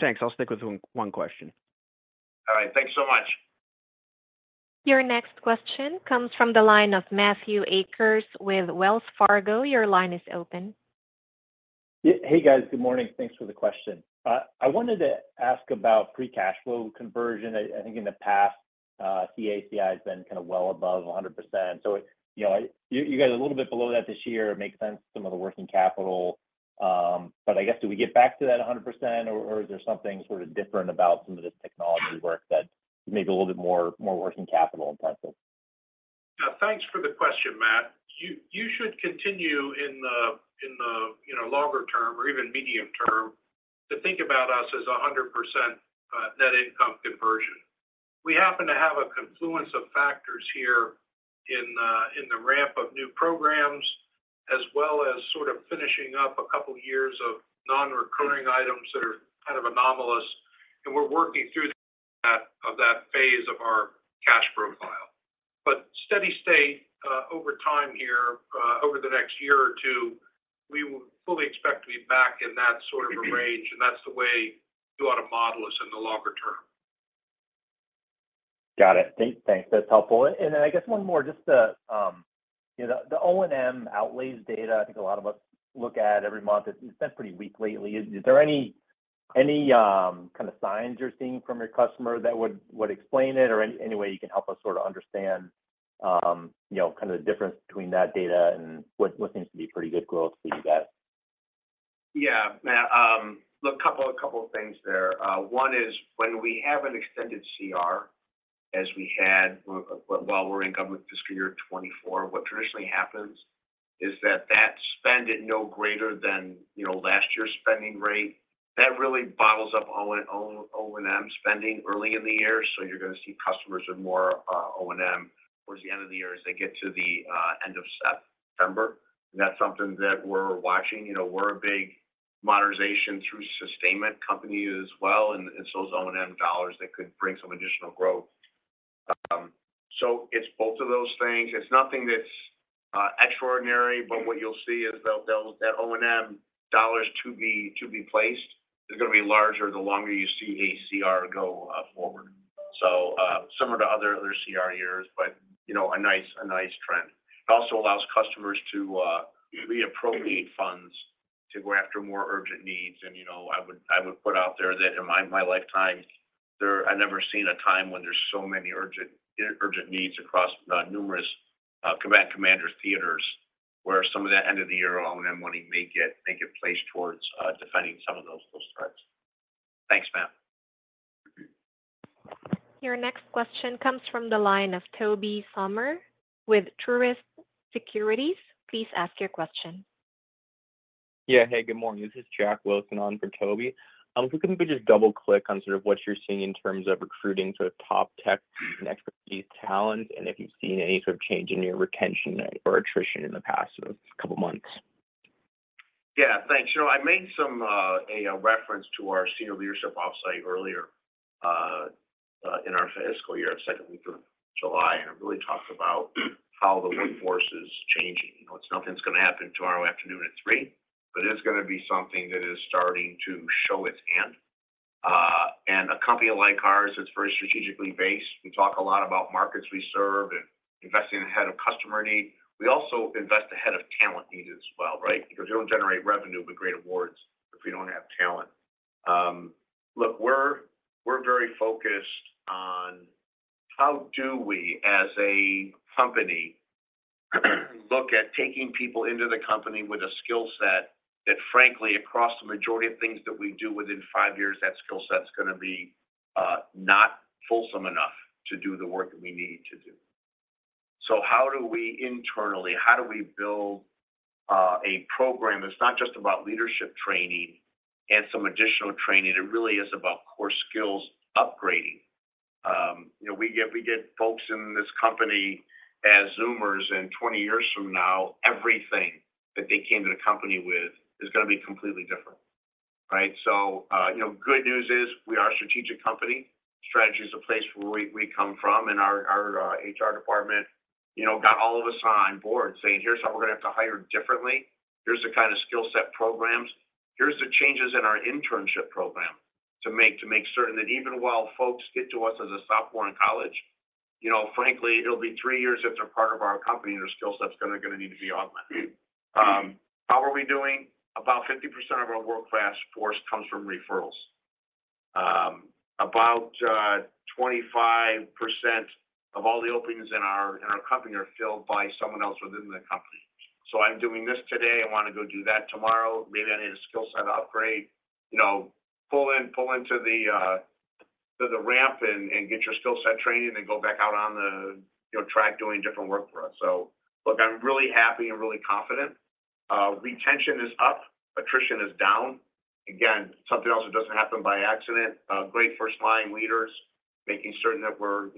Thanks. I'll stick with one question. All right. Thanks so much. Your next question comes from the line of Matthew Akers with Wells Fargo. Your line is open. Hey, guys. Good morning. Thanks for the question. I wanted to ask about free cash flow conversion. I think in the past, CACI has been kind of well above 100%. So you got a little bit below that this year. It makes sense, some of the working capital. But I guess, do we get back to that 100%, or is there something sort of different about some of this technology work that is maybe a little bit more working capital intensive? Thanks for the question, Matt. You should continue in the longer term or even medium term to think about us as a 100% net income conversion. We happen to have a confluence of factors here in the ramp of new programs as well as sort of finishing up a couple of years of non-recurring items that are kind of anomalous. We're working through that phase of our cash profile. But steady state over time here, over the next year or two, we would fully expect to be back in that sort of a range. That's the way you ought to model us in the longer term. Got it. Thanks. That's helpful. And then I guess one more, just the O&M outlays data, I think a lot of us look at every month. It's been pretty weak lately. Is there any kind of signs you're seeing from your customer that would explain it or any way you can help us sort of understand kind of the difference between that data and what seems to be pretty good growth for you guys? Yeah. Look, a couple of things there. One is when we have an extended CR, as we had while we're in government fiscal year 2024, what traditionally happens is that, that spend is no greater than last year's spending rate. That really bottles up O&M spending early in the year. So you're going to see customers with more O&M towards the end of the year as they get to the end of September. And that's something that we're watching. We're a big modernization through sustainment company as well. And it's those O&M dollars that could bring some additional growth. So it's both of those things. It's nothing that's extraordinary, but what you'll see is that O&M dollars to be placed is going to be larger the longer you see a CR go forward. So similar to other CR years, but a nice trend. It also allows customers to reappropriate funds to go after more urgent needs. And I would put out there that in my lifetime, I've never seen a time when there's so many urgent needs across numerous command commanders' theaters where some of that end of the year O&M money may get placed towards defending some of those threats. Thanks, Matt. Your next question comes from the line of Jack Wilson with Truist Securities. Please ask your question. Yeah. Hey, good morning. This is Jack Wilson on for Tobey. If we could just double-click on sort of what you're seeing in terms of recruiting sort of top tech and expertise talent and if you've seen any sort of change in your retention or attrition in the past couple of months? Yeah. Thanks. I made a reference to our senior leadership offsite earlier in our fiscal year, second week of July, and really talked about how the workforce is changing. Nothing's going to happen tomorrow afternoon at 3:00 P.M., but it's going to be something that is starting to show its hand. And a company like ours that's very strategically based, we talk a lot about markets we serve and investing ahead of customer need. We also invest ahead of talent need as well, right? Because we don't generate revenue with great awards if we don't have talent. Look, we're very focused on how do we as a company look at taking people into the company with a skill set that, frankly, across the majority of things that we do within five years, that skill set's going to be not fulsome enough to do the work that we need to do. So how do we internally, how do we build a program that's not just about leadership training and some additional training? It really is about core skills upgrading. We get folks in this company as Zoomers, and 20 years from now, everything that they came to the company with is going to be completely different, right? So the good news is we are a strategic company. Strategy is a place where we come from. And our HR department got all of us on board saying, "Here's how we're going to have to hire differently. Here's the kind of skill set programs. Here's the changes in our internship program to make certain that even while folks get to us as a sophomore in college, frankly, it'll be three years if they're part of our company and their skill sets are going to need to be augmented." How are we doing? About 50% of our workforce comes from referrals. About 25% of all the openings in our company are filled by someone else within the company. So I'm doing this today. I want to go do that tomorrow. Maybe I need a skill set upgrade. Pull into the ramp and get your skill set training and then go back out on the track doing different work for us. So look, I'm really happy and really confident. Retention is up. Attrition is down. Again, something else that doesn't happen by accident. Great first-line leaders making certain that we're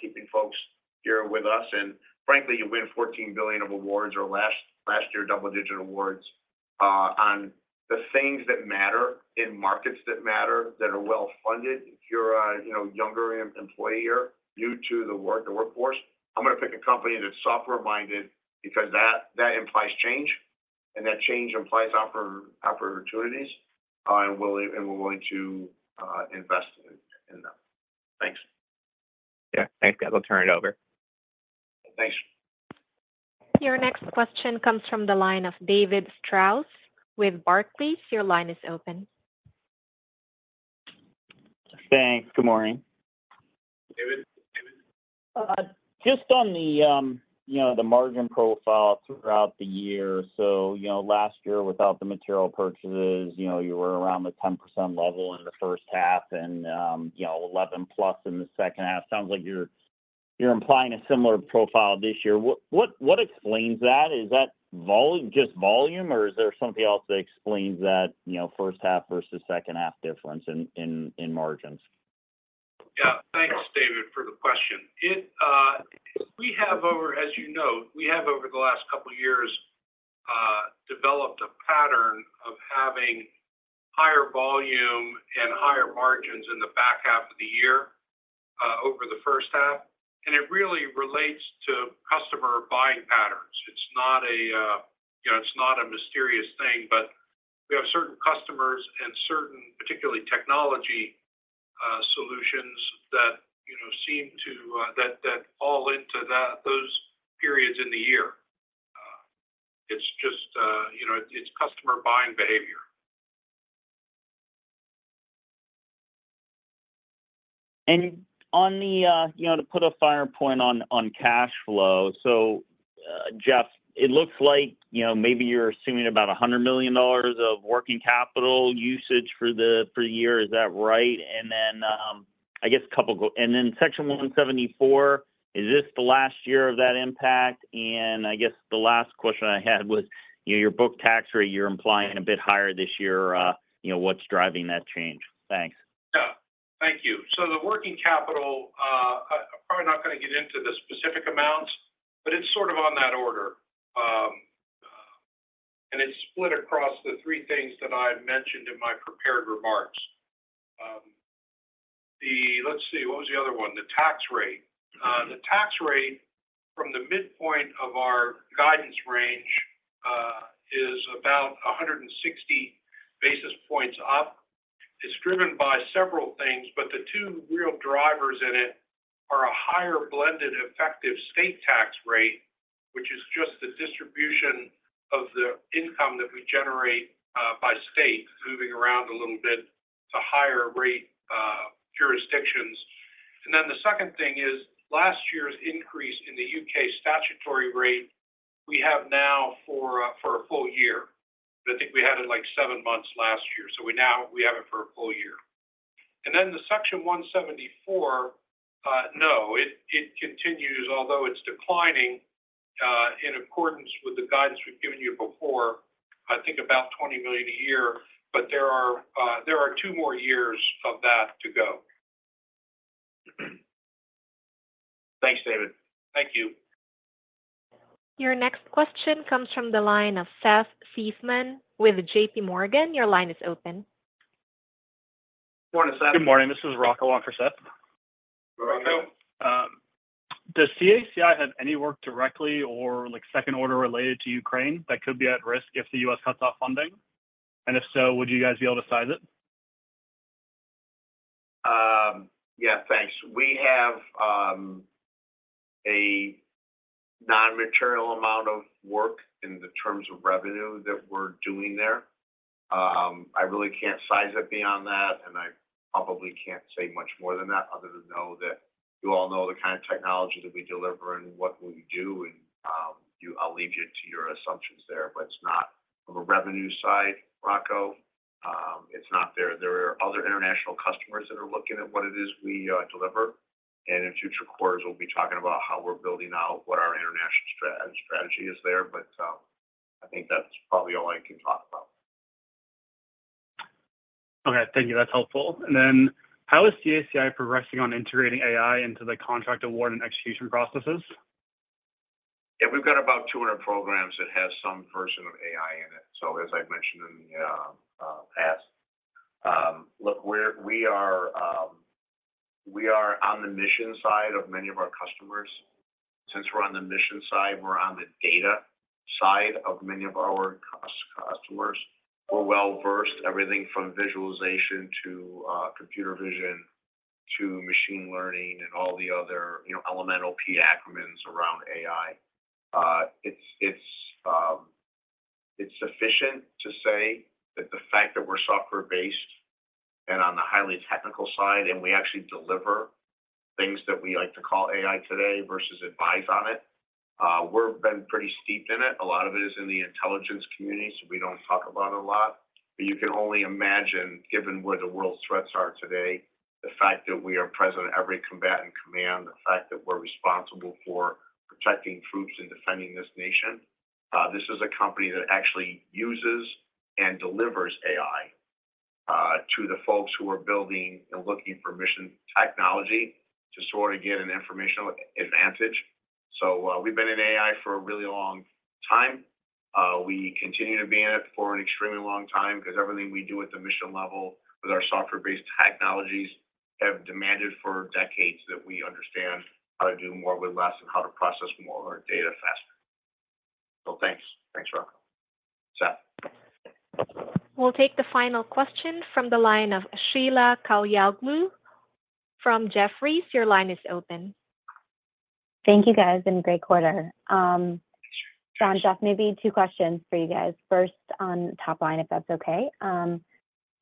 keeping folks here with us. And frankly, you win $14 billion of awards or last year double-digit awards on the things that matter in markets that matter that are well-funded. If you're a younger employee here, new to the workforce, I'm going to pick a company that's software-minded because that implies change, and that change implies opportunities, and we're willing to invest in them. Thanks. Yeah. Thanks, guys. I'll turn it over. Thanks. Your next question comes from the line of David Strauss with Barclays. Your line is open. Thanks. Good morning. David? David? Just on the margin profile throughout the year. So last year, without the material purchases, you were around the 10% level in the first half and 11%+ in the second half. Sounds like you're implying a similar profile this year. What explains that? Is that just volume, or is there something else that explains that first-half versus second-half difference in margins? Yeah. Thanks, David, for the question. As you know, we have over the last couple of years developed a pattern of having higher volume and higher margins in the back half of the year over the first half. It really relates to customer buying patterns. It's not a mysterious thing, but we have certain customers and certain, particularly technology solutions that seem to fall into those periods in the year. It's just customer buying behavior. To put a finer point on cash flow, so Jeff, it looks like maybe you're assuming about $100 million of working capital usage for the year. Is that right? And then I guess a couple and then Section 174, is this the last year of that impact? And I guess the last question I had was your book tax rate, you're implying a bit higher this year. What's driving that change? Thanks. Yeah. Thank you. So the working capital, I'm probably not going to get into the specific amounts, but it's sort of on that order. And it's split across the three things that I mentioned in my prepared remarks. Let's see. What was the other one? The tax rate. The tax rate from the midpoint of our guidance range is about 160 basis points up. It's driven by several things, but the two real drivers in it are a higher blended effective state tax rate, which is just the distribution of the income that we generate by state moving around a little bit to higher-rate jurisdictions. And then the second thing is last year's increase in the UK statutory rate we have now for a full year. I think we had it like seven months last year. So now we have it for a full year. And then the Section 174, no, it continues, although it's declining in accordance with the guidance we've given you before, I think about $20 million a year, but there are two more years of that to go. Thanks, David. Thank you. Your next question comes from the line of Seth Seifman with JPMorgan. Your line is open. Good morning, Seth. Good morning. This is Rocco on for Seth. Rocco? Does CACI have any work directly or second-order related to Ukraine that could be at risk if the U.S. cuts off funding? And if so, would you guys be able to size it? Yeah. Thanks. We have a non-material amount of work in the terms of revenue that we're doing there. I really can't size it beyond that, and I probably can't say much more than that other than know that you all know the kind of technology that we deliver and what we do. And I'll leave you to your assumptions there, but it's not from a revenue side, Rocco. It's not there. There are other international customers that are looking at what it is we deliver. And in future quarters, we'll be talking about how we're building out what our international strategy is there. But I think that's probably all I can talk about. Okay. Thank you. That's helpful. And then how is CACI progressing on integrating AI into the contract award and execution processes? Yeah. We've got about 200 programs that have some version of AI in it. So as I've mentioned in the past, look, we are on the mission side of many of our customers. Since we're on the mission side, we're on the data side of many of our customers. We're well-versed, everything from visualization to computer vision to machine learning and all the other NLP acronyms around AI. It's sufficient to say that the fact that we're software-based and on the highly technical side, and we actually deliver things that we like to call AI today versus advise on it, we've been pretty steeped in it. A lot of it is in the intelligence community, so we don't talk about it a lot. But you can only imagine, given where the world's threats are today, the fact that we are present at every combatant command, the fact that we're responsible for protecting troops and defending this nation. This is a company that actually uses and delivers AI to the folks who are building and looking for mission technology to sort of get an informational advantage. So we've been in AI for a really long time. We continue to be in it for an extremely long time because everything we do at the mission level with our software-based technologies have demanded for decades that we understand how to do more with less and how to process more of our data faster. So thanks. Thanks, Rocco. Seth. We'll take the final question from the line of Sheila Kahyaoglu from Jefferies. Your line is open. Thank you, guys. Great quarter. John, Jeff, maybe two questions for you guys. First, on top line, if that's okay.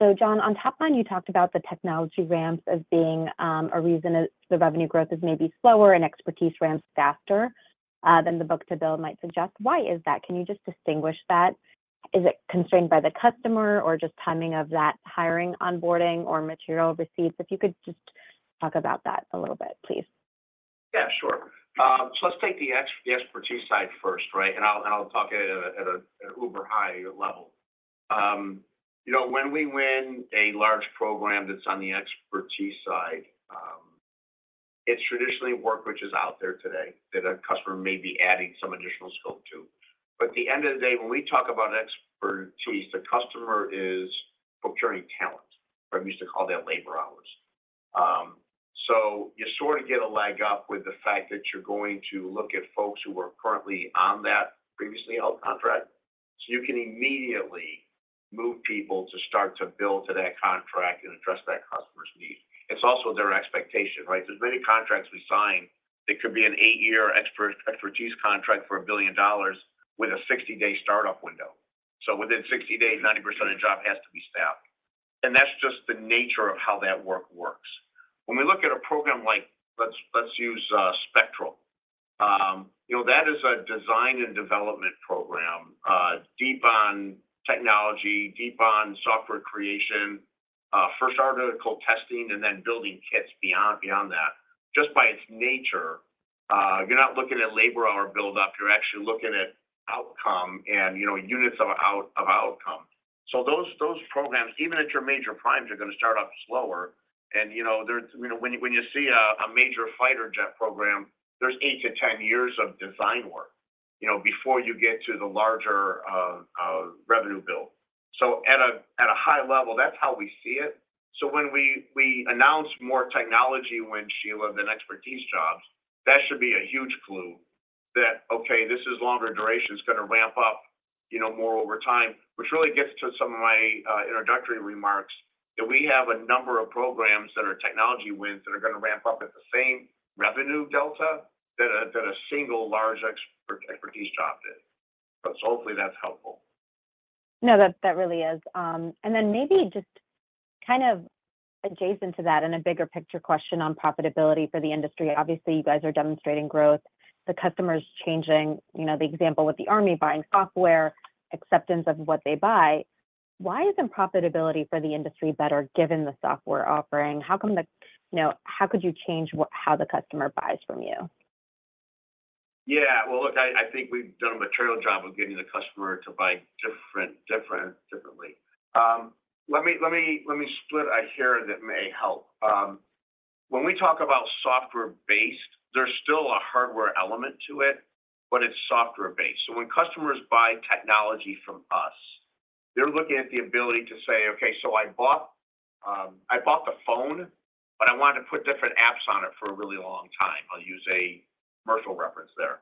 John, on top line, you talked about the technology ramps as being a reason the revenue growth is maybe slower and expertise ramps faster than the book-to-bill might suggest. Why is that? Can you just distinguish that? Is it constrained by the customer or just timing of that hiring, onboarding, or material receipts? If you could just talk about that a little bit, please. Yeah. Sure. So let's take the expertise side first, right? And I'll talk at an uber-high level. When we win a large program that's on the expertise side, it's traditionally work which is out there today that a customer may be adding some additional scope to. But at the end of the day, when we talk about expertise, the customer is procuring talent. I used to call that labor hours. So you sort of get a leg up with the fact that you're going to look at folks who are currently on that previously held contract. So you can immediately move people to start to build to that contract and address that customer's need. It's also their expectation, right? There's many contracts we sign. It could be an eight-year expertise contract for $1 billion with a 60-day startup window. So within 60 days, 90% of the job has to be staffed. That's just the nature of how that work works. When we look at a program like let's use Spectral, that is a design and development program deep on technology, deep on software creation, first article testing, and then building kits beyond that. Just by its nature, you're not looking at labor hour build-up. You're actually looking at outcome and units of outcome. So those programs, even at your major primes, are going to start up slower. When you see a major fighter jet program, there's 8-10 years of design work before you get to the larger revenue bill. So at a high level, that's how we see it. So when we announce more technology wins, Sheila, than expertise jobs, that should be a huge clue that, okay, this is longer duration. It's going to ramp up more over time, which really gets to some of my introductory remarks that we have a number of programs that are technology wins that are going to ramp up at the same revenue delta that a single large expertise job did. So hopefully that's helpful. No, that really is. And then maybe just kind of adjacent to that and a bigger picture question on profitability for the industry. Obviously, you guys are demonstrating growth. The customer's changing. The example with the Army buying software, acceptance of what they buy. Why isn't profitability for the industry better given the software offering? How could you change how the customer buys from you? Yeah. Well, look, I think we've done a material job of getting the customer to buy differently. Let me split a hair here that may help. When we talk about software-based, there's still a hardware element to it, but it's software-based. So when customers buy technology from us, they're looking at the ability to say, "Okay, so I bought the phone, but I wanted to put different apps on it for a really long time." I'll use a commercial reference there.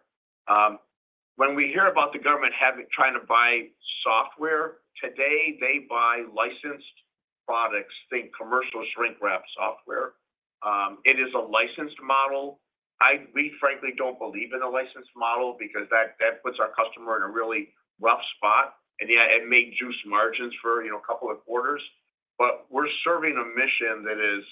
When we hear about the government trying to buy software today, they buy licensed products, think commercial shrink-wrap software. It is a licensed model. We, frankly, don't believe in a licensed model because that puts our customer in a really rough spot. And yeah, it may juice margins for a couple of quarters, but we're serving a mission that is,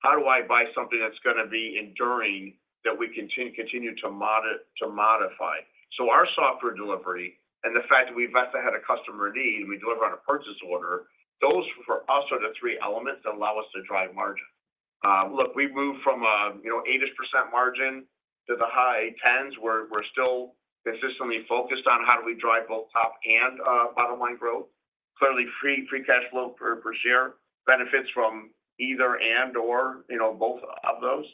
how do I buy something that's going to be enduring that we continue to modify? So our software delivery and the fact that we've had a customer need and we deliver on a purchase order, those are also the three elements that allow us to drive margin. Look, we moved from 80% margin to the high 10s. We're still consistently focused on how do we drive both top and bottom-line growth. Clearly, free cash flow per share benefits from either and/or both of those.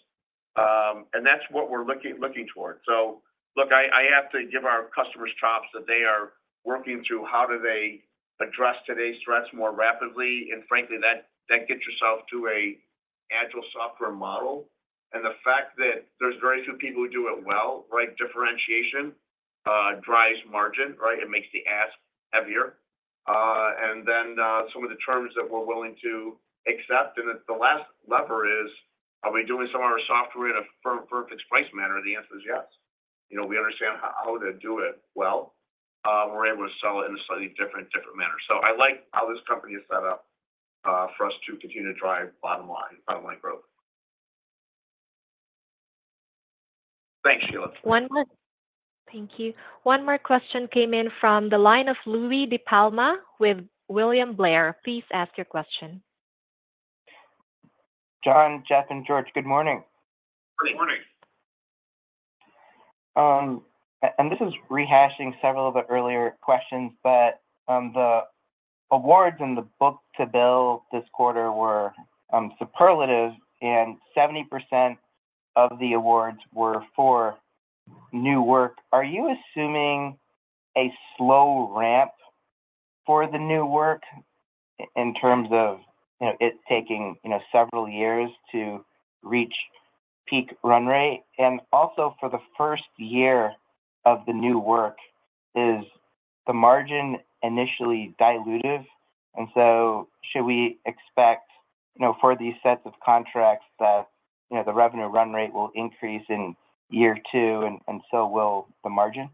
And that's what we're looking toward. So look, I have to give our customers chops that they are working through how do they address today's threats more rapidly. And frankly, that gets yourself to an agile software model. The fact that there's very few people who do it well, right? Differentiation drives margin, right? It makes the ask heavier. Then some of the terms that we're willing to accept. The last lever is, are we doing some of our software in a firm fixed-price manner? The answer is yes. We understand how to do it well. We're able to sell it in a slightly different manner. I like how this company is set up for us to continue to drive bottom-line growth. Thanks, Sheila. One more. Thank you. One more question came in from the line of Louie DiPalma with William Blair. Please ask your question. John, Jeff, and George, good morning. Good morning. This is rehashing several of the earlier questions, but the awards in the book-to-bill this quarter were superlative, and 70% of the awards were for new work. Are you assuming a slow ramp for the new work in terms of it taking several years to reach peak run rate? And also, for the first year of the new work, is the margin initially dilutive? And so should we expect for these sets of contracts that the revenue run rate will increase in year two, and so will the margin?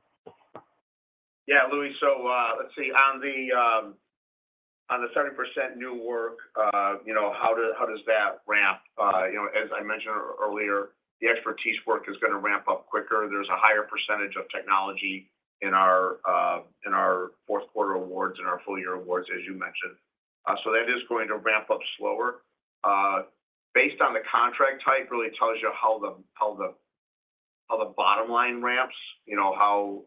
Yeah, Louis, so let's see. On the 30% new work, how does that ramp? As I mentioned earlier, the expertise work is going to ramp up quicker. There's a higher percentage of technology in our fourth-quarter awards and our full-year awards, as you mentioned. So that is going to ramp up slower. Based on the contract type, it really tells you how the bottom line ramps, how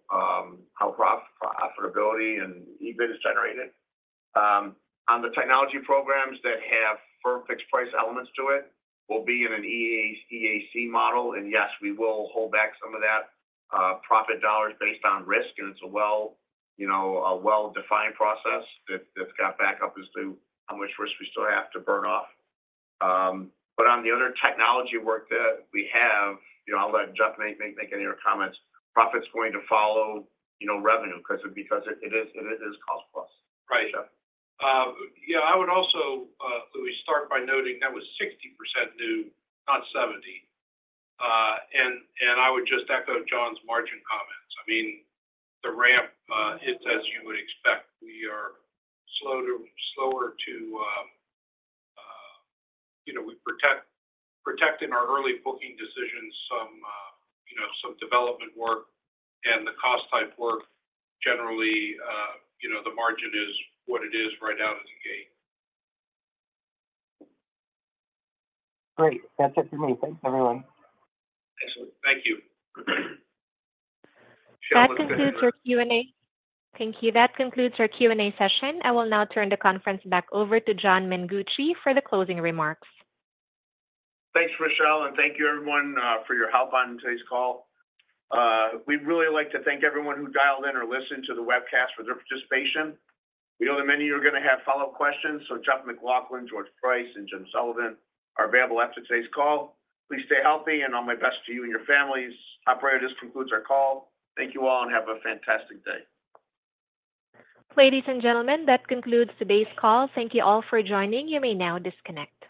profitability and EBIT is generated. On the technology programs that have firm fixed-price elements to it, we'll be in an EAC model. And yes, we will hold back some of that profit dollars based on risk, and it's a well-defined process that's got backup as to how much risk we still have to burn off. But on the other technology work that we have, I'll let Jeff make any other comments. Profit's going to follow revenue because it is cost-plus. Right. Yeah. I would also, Louis, start by noting that was 60% new, not 70. I would just echo John's margin comments. I mean, the ramp, it's as you would expect. We are slower to we're protecting our early booking decisions, some development work, and the cost-type work, generally, the margin is what it is right out of the gate. Great. That's it for me. Thanks, everyone. Excellent. Thank you. That concludes our Q&A. Thank you. That concludes our Q&A session. I will now turn the conference back over to John Mengucci for the closing remarks. Thanks, Michelle, and thank you, everyone, for your help on today's call. We'd really like to thank everyone who dialed in or listened to the webcast for their participation. We know that many of you are going to have follow-up questions, so Jeff McLaughlin, George Price, and Jim Sullivan are available after today's call. Please stay healthy, and all my best to you and your families. Operator, this concludes our call. Thank you all, and have a fantastic day. Ladies and gentlemen, that concludes today's call. Thank you all for joining. You may now disconnect.